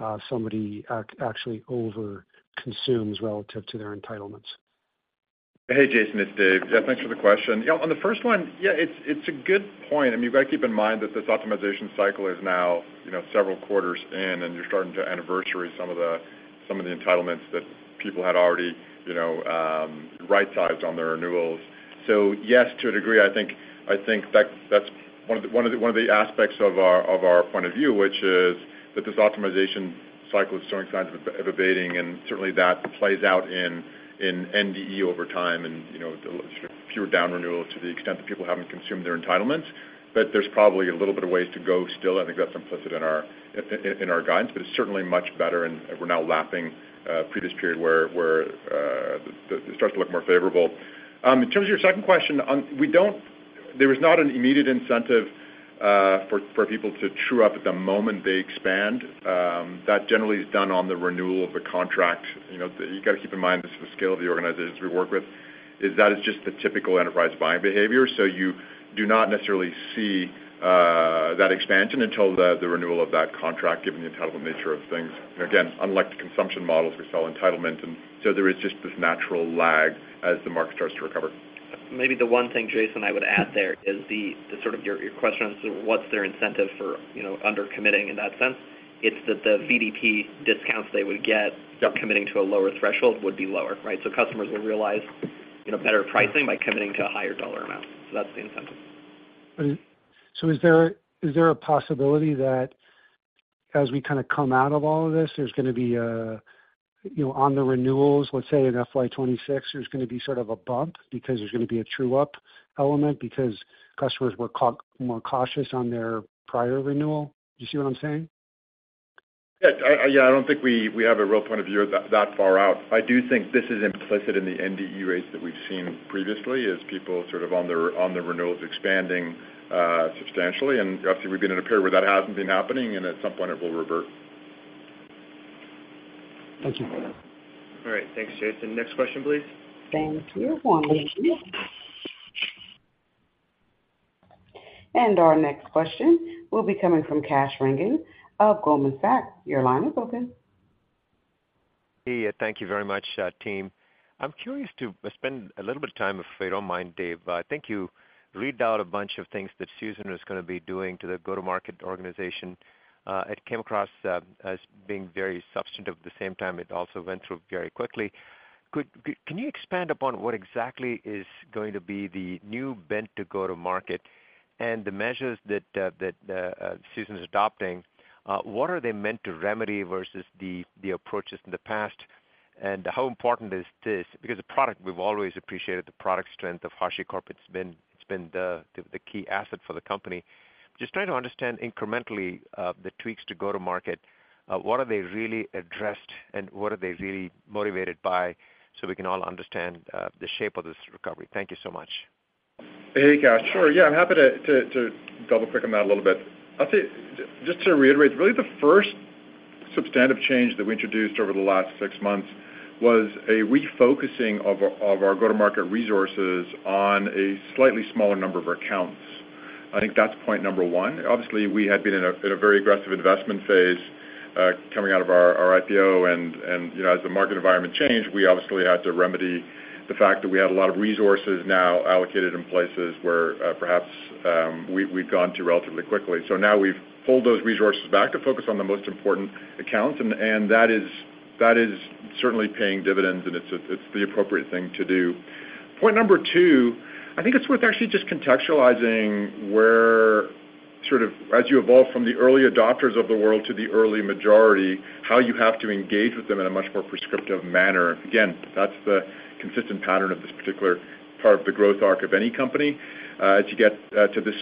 if somebody actually overconsumes relative to their entitlements? Hey, Jason, it's Dave. Yeah, thanks for the question. Yeah, on the first one, yeah, it's a good point. I mean, you've got to keep in mind that this optimization cycle is now several quarters in, and you're starting to anniversary some of the entitlements that people had already right-sized on their renewals. So yes, to a degree, I think that's one of the aspects of our point of view, which is that this optimization cycle is showing signs of abating. And certainly, that plays out in NDE over time and sort of pure down renewal to the extent that people haven't consumed their entitlements. But there's probably a little bit of ways to go still. I think that's implicit in our guidance, but it's certainly much better. And we're now lapping previous period where it starts to look more favorable. In terms of your second question, there was not an immediate incentive for people to true up at the moment they expand. That generally is done on the renewal of the contract. You've got to keep in mind this is the scale of the organizations we work with, is that it's just the typical enterprise buying behavior. So you do not necessarily see that expansion until the renewal of that contract, given the entitlement nature of things. Again, unlike the consumption models, we sell entitlement. And so there is just this natural lag as the market starts to recover. Maybe the one thing, Jason, I would add there is sort of your question as to what's their incentive for undercommitting in that sense, it's that the VDP discounts they would get committing to a lower threshold would be lower, right? So customers will realize better pricing by committing to a higher dollar amount. So that's the incentive. So is there a possibility that as we kind of come out of all of this, there's going to be a on the renewals, let's say in FY26, there's going to be sort of a bump because there's going to be a true-up element because customers were more cautious on their prior renewal? Do you see what I'm saying? Yeah, I don't think we have a real point of view that far out. I do think this is implicit in the NDE rates that we've seen previously as people sort of on the renewals expanding substantially. Obviously, we've been in a period where that hasn't been happening, and at some point, it will revert. Thank you. All right. Thanks, Jason. Next question, please. Thank you. One moment. Our next question will be coming from Kash Rangan of Goldman Sachs. Your line is open. Hey, thank you very much, team. I'm curious to spend a little bit of time, if you don't mind, Dave. Thank you. Read out a bunch of things that Susan is going to be doing to the go-to-market organization. It came across as being very substantive. At the same time, it also went through very quickly. Can you expand upon what exactly is going to be the new bent to go-to-market and the measures that Susan's adopting? What are they meant to remedy versus the approaches in the past? And how important is this? Because we've always appreciated the product strength of HashiCorp. It's been the key asset for the company. Just trying to understand incrementally the tweaks to go-to-market, what are they really addressed, and what are they really motivated by so we can all understand the shape of this recovery? Thank you so much. Hey, guys. Sure. Yeah, I'm happy to double-click on that a little bit. I'd say just to reiterate, really, the first substantive change that we introduced over the last six months was a refocusing of our go-to-market resources on a slightly smaller number of accounts. I think that's point number one. Obviously, we had been in a very aggressive investment phase coming out of our IPO. And as the market environment changed, we obviously had to remedy the fact that we had a lot of resources now allocated in places where perhaps we'd gone too relatively quickly. So now we've pulled those resources back to focus on the most important accounts. And that is certainly paying dividends, and it's the appropriate thing to do. Point number two, I think it's worth actually just contextualizing where sort of as you evolve from the early adopters of the world to the early majority, how you have to engage with them in a much more prescriptive manner. Again, that's the consistent pattern of this particular part of the growth arc of any company. As you get to this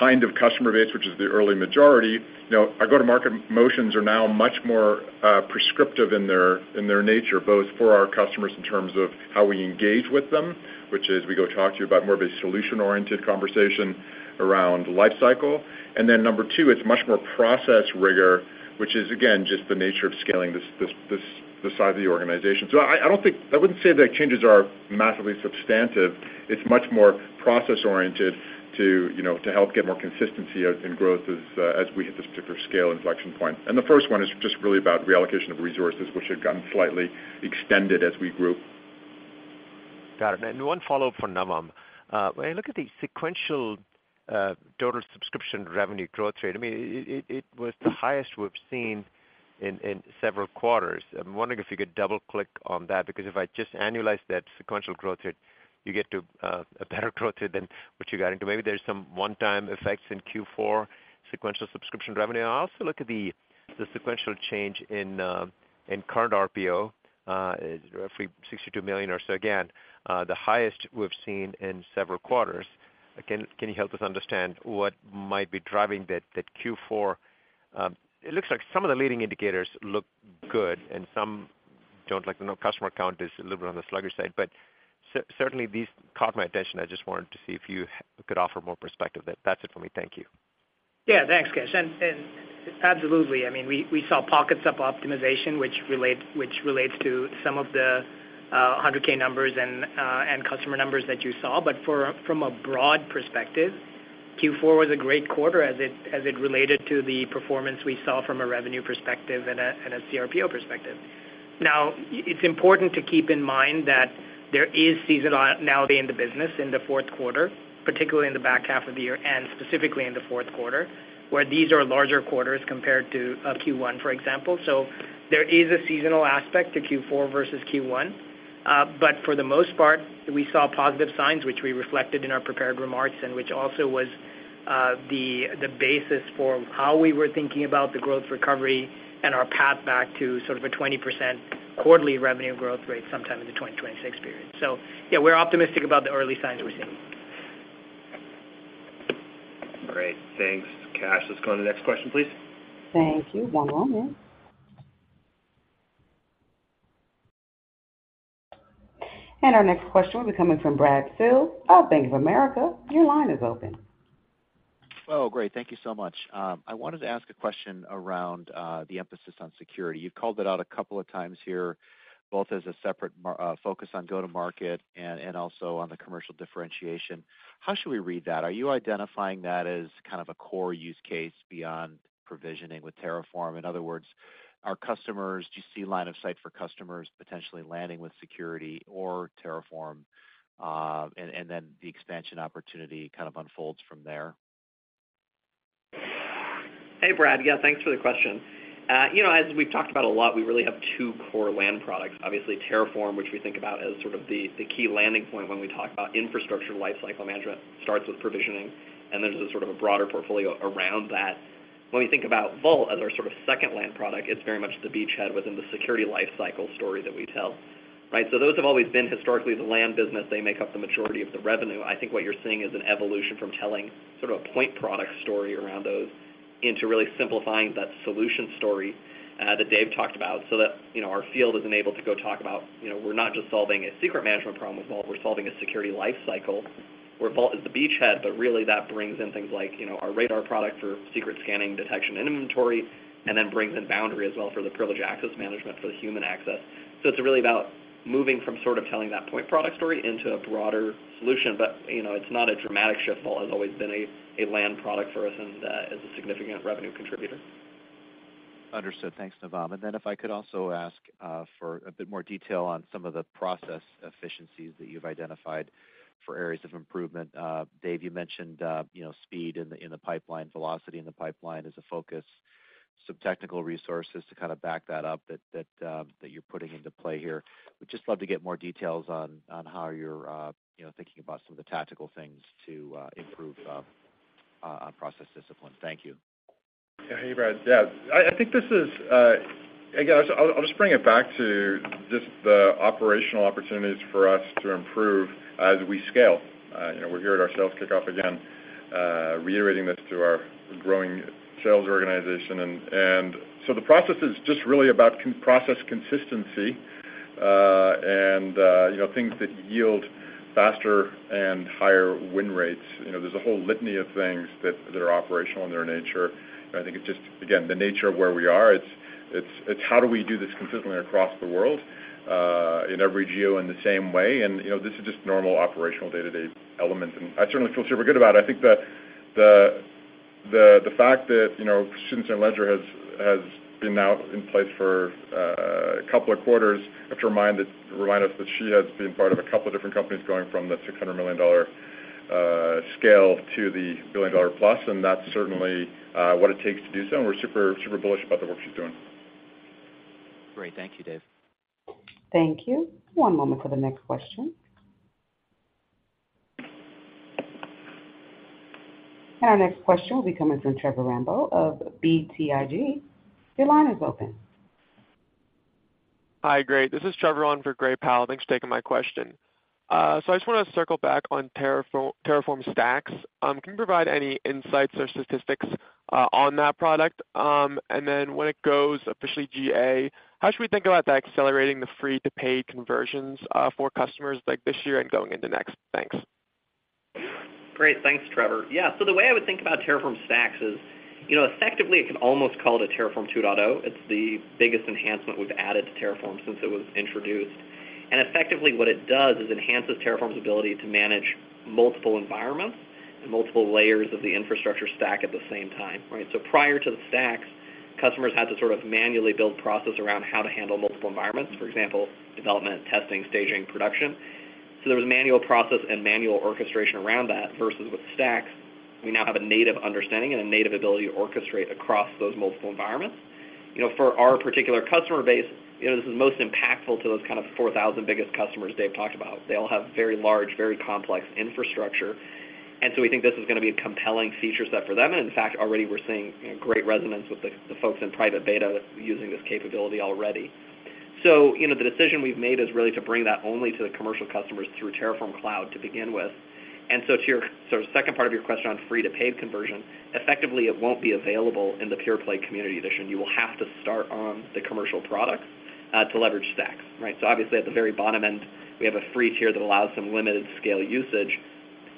kind of customer base, which is the early majority, our go-to-market motions are now much more prescriptive in their nature, both for our customers in terms of how we engage with them, which is we go talk to you about more of a solution-oriented conversation around lifecycle. And then number two, it's much more process rigor, which is, again, just the nature of scaling the size of the organization. So I don't think I wouldn't say that changes are massively substantive. It's much more process-oriented to help get more consistency in growth as we hit this particular scale inflection point. The first one is just really about reallocation of resources, which had gotten slightly extended as we grew. Got it. And one follow-up from Navam. When I look at the sequential total subscription revenue growth rate, I mean, it was the highest we've seen in several quarters. I'm wondering if you could double-click on that because if I just annualize that sequential growth rate, you get to a better growth rate than what you got into. Maybe there's some one-time effects in Q4 sequential subscription revenue. I also look at the sequential change in current RPO, roughly $62 million or so. Again, the highest we've seen in several quarters. Can you help us understand what might be driving that Q4? It looks like some of the leading indicators look good, and some don't. The customer count is a little bit on the sluggish side. But certainly, these caught my attention. I just wanted to see if you could offer more perspective. That's it for me. Thank you. Yeah, thanks, guys. And absolutely. I mean, we saw pockets of optimization, which relates to some of the 100,000 numbers and customer numbers that you saw. But from a broad perspective, Q4 was a great quarter as it related to the performance we saw from a revenue perspective and a CRPO perspective. Now, it's important to keep in mind that there is seasonality nowadays in the business in the fourth quarter, particularly in the back half of the year and specifically in the fourth quarter, where these are larger quarters compared to Q1, for example. So there is a seasonal aspect to Q4 versus Q1. But for the most part, we saw positive signs, which we reflected in our prepared remarks and which also was the basis for how we were thinking about the growth recovery and our path back to sort of a 20% quarterly revenue growth rate sometime in the 2026 period. So yeah, we're optimistic about the early signs we're seeing. Great. Thanks, Kash. Let's go to the next question, please. Thank you. One moment. Our next question will be coming from Brad Sills of Bank of America. Your line is open. Oh, great. Thank you so much. I wanted to ask a question around the emphasis on security. You've called it out a couple of times here, both as a separate focus on go-to-market and also on the commercial differentiation. How should we read that? Are you identifying that as kind of a core use case beyond provisioning with Terraform? In other words, do you see line of sight for customers potentially landing with security or Terraform, and then the expansion opportunity kind of unfolds from there? Hey, Brad. Yeah, thanks for the question. As we've talked about a lot, we really have two core land products. Obviously, Terraform, which we think about as sort of the key landing point when we talk about infrastructure lifecycle management, starts with provisioning. And there's a sort of a broader portfolio around that. When we think about Vault as our sort of second land product, it's very much the beachhead within the security lifecycle story that we tell, right? So those have always been historically the land business. They make up the majority of the revenue. I think what you're seeing is an evolution from telling sort of a point product story around those into really simplifying that solution story that Dave talked about so that our field is enabled to go talk about we're not just solving a secret management problem with Vault. We're solving a security lifecycle where Vault is the beachhead. But really, that brings in things like our Radar product for secret scanning, detection, and inventory, and then brings in Boundary as well for the privileged access management for the human access. So it's really about moving from sort of telling that point product story into a broader solution. But it's not a dramatic shift. Vault has always been a land product for us and is a significant revenue contributor. Understood. Thanks, Navam. Then if I could also ask for a bit more detail on some of the process efficiencies that you've identified for areas of improvement. Dave, you mentioned speed in the pipeline, velocity in the pipeline as a focus, some technical resources to kind of back that up that you're putting into play here. We'd just love to get more details on how you're thinking about some of the tactical things to improve process discipline. Thank you. Yeah, hey, Brad. Yeah, I think this is again. I'll just bring it back to just the operational opportunities for us to improve as we scale. We're here at our sales kickoff again, reiterating this to our growing sales organization. So the process is just really about process consistency and things that yield faster and higher win rates. There's a whole litany of things that are operational in their nature. I think it's just, again, the nature of where we are. It's how do we do this consistently across the world in every geo in the same way? This is just normal operational day-to-day elements. I certainly feel super good about it. I think the fact that Susan St. Ledger has been now in place for a couple of quarters. I have to remind us that she has been part of a couple of different companies going from the $600 million scale to the billion-dollar plus. And that's certainly what it takes to do so. And we're super bullish about the work she's doing. Great. Thank you, Dave. Thank you. One moment for the next question. Our next question will be coming from Trevor Rambo of BTIG. Your line is open. Hi, great. This is Trevor on for Gray Powell. Thanks for taking my question. I just want to circle back on Terraform Stacks. Can you provide any insights or statistics on that product? And then when it goes officially GA, how should we think about that accelerating the free-to-paid conversions for customers this year and going into next? Thanks. Great. Thanks, Trevor. Yeah, so the way I would think about Terraform Stacks is effectively, I can almost call it a Terraform 2.0. It's the biggest enhancement we've added to Terraform since it was introduced. Effectively, what it does is enhances Terraform's ability to manage multiple environments and multiple layers of the infrastructure stack at the same time, right? So prior to the stacks, customers had to sort of manually build process around how to handle multiple environments, for example, development, testing, staging, production. So there was manual process and manual orchestration around that versus with stacks, we now have a native understanding and a native ability to orchestrate across those multiple environments. For our particular customer base, this is most impactful to those kind of 4,000 biggest customers Dave talked about. They all have very large, very complex infrastructure. And so we think this is going to be a compelling feature set for them. And in fact, already, we're seeing great resonance with the folks in private beta using this capability already. So the decision we've made is really to bring that only to the commercial customers through Terraform Cloud to begin with. And so to your sort of second part of your question on free-to-paid conversion, effectively, it won't be available in the pure-play Community Edition. You will have to start on the commercial products to leverage stacks, right? So obviously, at the very bottom end, we have a free tier that allows some limited scale usage.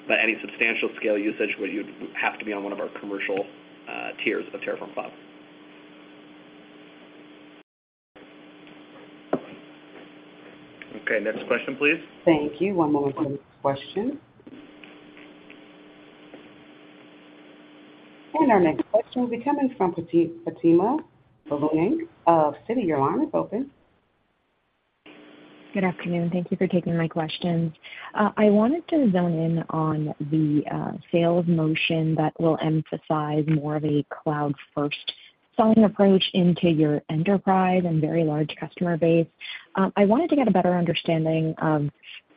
But any substantial scale usage, you'd have to be on one of our commercial tiers of Terraform Cloud. Okay. Next question, please. Thank you. One moment for the next question. Our next question will be coming from Fatima Boolani of Citi. Your line is open. Good afternoon. Thank you for taking my questions. I wanted to zone in on the sales motion that will emphasize more of a cloud-first selling approach into your enterprise and very large customer base. I wanted to get a better understanding of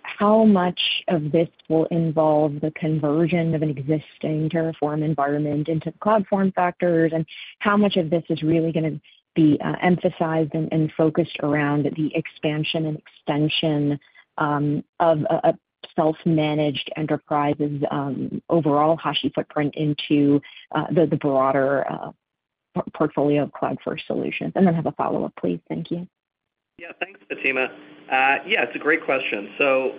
how much of this will involve the conversion of an existing Terraform environment into the cloud form factors and how much of this is really going to be emphasized and focused around the expansion and extension of a self-managed enterprise's overall Hashi footprint into the broader portfolio of cloud-first solutions. And then have a follow-up, please. Thank you. Yeah, thanks, Fatima. Yeah, it's a great question. So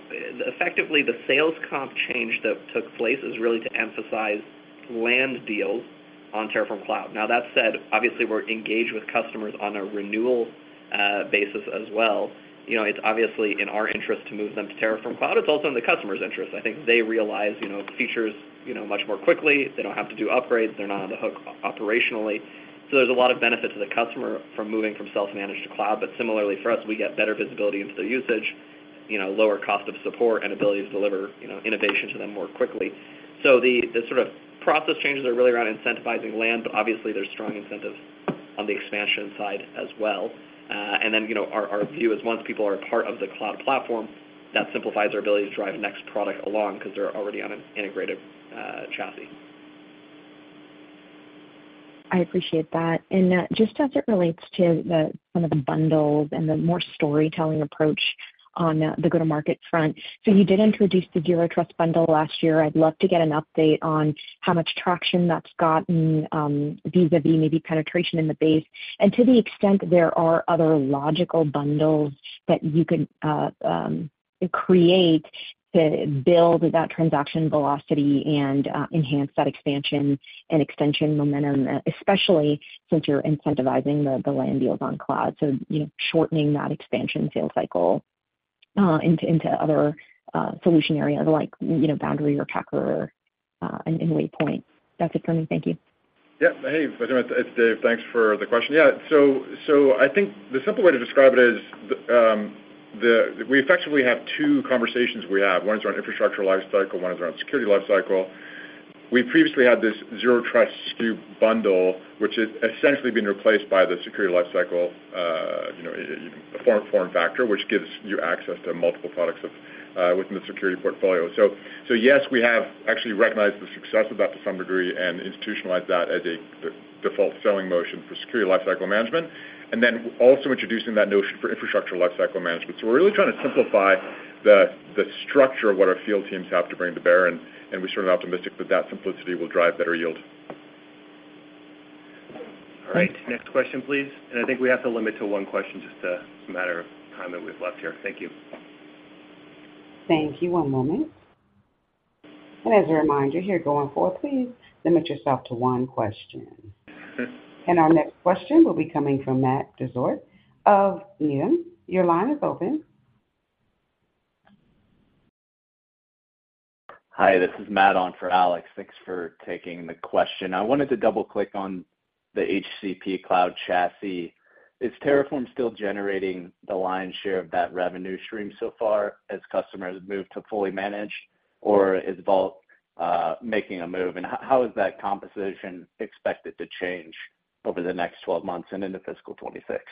effectively, the sales comp change that took place is really to emphasize land deals on Terraform Cloud. Now, that said, obviously, we're engaged with customers on a renewal basis as well. It's obviously in our interest to move them to Terraform Cloud. It's also in the customer's interest. I think they realize features much more quickly. They don't have to do upgrades. They're not on the hook operationally. So there's a lot of benefit to the customer from moving from self-managed to cloud. But similarly, for us, we get better visibility into their usage, lower cost of support, and ability to deliver innovation to them more quickly. So the sort of process changes are really around incentivizing land. But obviously, there's strong incentives on the expansion side as well. And then our view is once people are a part of the cloud platform, that simplifies our ability to drive next product along because they're already on an integrated chassis. I appreciate that. Just as it relates to some of the bundles and the more storytelling approach on the go-to-market front, so you did introduce the Zero Trust bundle last year. I'd love to get an update on how much traction that's gotten vis-à-vis maybe penetration in the base and to the extent there are other logical bundles that you could create to build that transaction velocity and enhance that expansion and extension momentum, especially since you're incentivizing the land deals on cloud, so shortening that expansion sales cycle into other solution areas like Boundary or Packer and Waypoint. That's it for me. Thank you. Yeah. Hey, it's Dave. Thanks for the question. Yeah, so I think the simple way to describe it is we effectively have two conversations we have. One is around Infrastructure Lifecycle. One is around Security Lifecycle. We previously had this Zero Trust SKU bundle, which has essentially been replaced by the Security Lifecycle, a form factor, which gives you access to multiple products within the security portfolio. So yes, we have actually recognized the success of that to some degree and institutionalized that as a default selling motion for Security Lifecycle Management and then also introducing that notion for Infrastructure Lifecycle Management. So we're really trying to simplify the structure of what our field teams have to bring to bear. And we're certainly optimistic that that simplicity will drive better yield. All right. Next question, please. I think we have to limit to one question just a matter of time that we've left here. Thank you. Thank you. One moment. As a reminder, here going forward, please limit yourself to one question. And our next question will be coming from Matt Dezort of Needham. Your line is open. Hi, this is Matt on for Alex. Thanks for taking the question. I wanted to double-click on the HCP Cloud chassis. Is Terraform still generating the lion's share of that revenue stream so far as customers move to fully manage, or is Vault making a move? And how is that composition expected to change over the next 12 months and into fiscal 2026?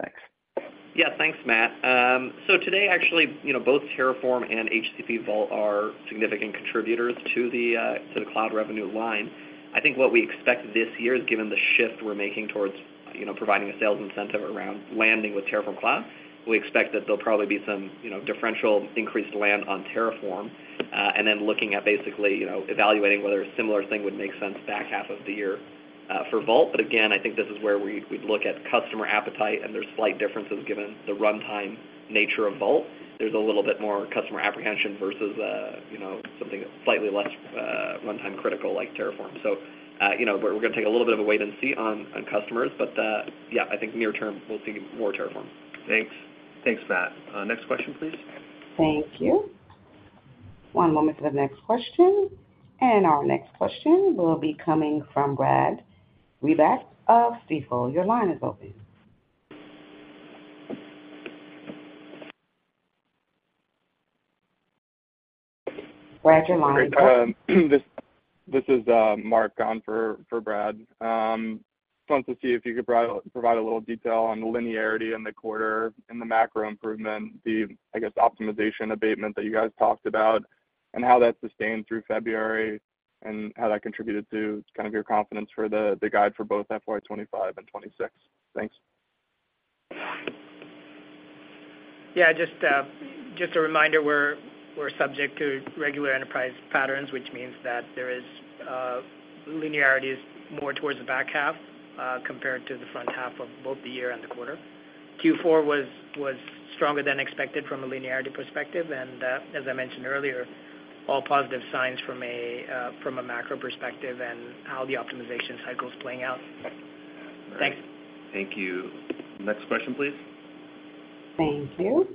Thanks. Yeah, thanks, Matt. So today, actually, both Terraform and HCP Vault are significant contributors to the cloud revenue line. I think what we expect this year, given the shift we're making towards providing a sales incentive around landing with Terraform Cloud, we expect that there'll probably be some differential increased land on Terraform and then looking at basically evaluating whether a similar thing would make sense back half of the year for Vault. But again, I think this is where we'd look at customer appetite. And there's slight differences given the runtime nature of Vault. There's a little bit more customer apprehension versus something slightly less runtime critical like Terraform. So we're going to take a little bit of a wait and see on customers. But yeah, I think near term, we'll see more Terraform. Thanks. Thanks, Matt. Next question, please. Thank you. One moment for the next question. Our next question will be coming from Brad Reback of Stifel. Your line is open. Brad, your line is open. Great. This is Mark on for Brad. I wanted to see if you could provide a little detail on the linearity in the quarter and the macro improvement, the, I guess, optimization abatement that you guys talked about and how that sustained through February and how that contributed to kind of your confidence for the guide for both FY 2025 and 2026. Thanks. Yeah, just a reminder, we're subject to regular enterprise patterns, which means that linearity is more towards the back half compared to the front half of both the year and the quarter. Q4 was stronger than expected from a linearity perspective. And as I mentioned earlier, all positive signs from a macro perspective and how the optimization cycle is playing out. Thanks. Thank you. Next question, please. Thank you.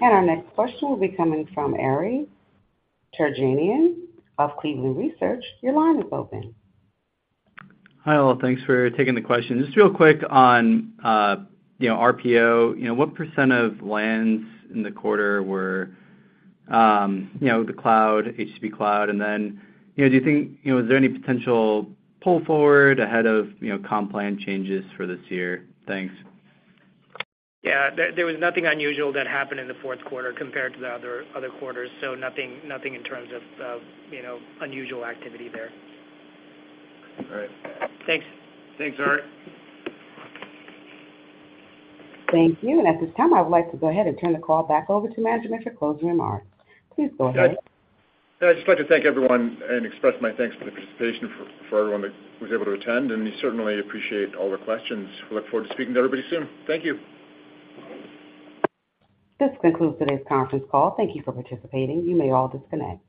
Our next question will be coming from Ari Terjanian of Cleveland Research. Your line is open. Hi all. Thanks for taking the question. Just real quick on RPO, what % of lands in the quarter were the cloud, HCP Cloud? And then do you think is there any potential pull forward ahead of comp plan changes for this year? Thanks. Yeah, there was nothing unusual that happened in the fourth quarter compared to the other quarters. So nothing in terms of unusual activity there. All right. Thanks. Thanks, Ari. Thank you. At this time, I would like to go ahead and turn the call back over to management for closing remarks. Please go ahead. Yeah, I just like to thank everyone and express my thanks for the participation, for everyone that was able to attend. We certainly appreciate all the questions. We look forward to speaking to everybody soon. Thank you. This concludes today's conference call. Thank you for participating. You may all disconnect.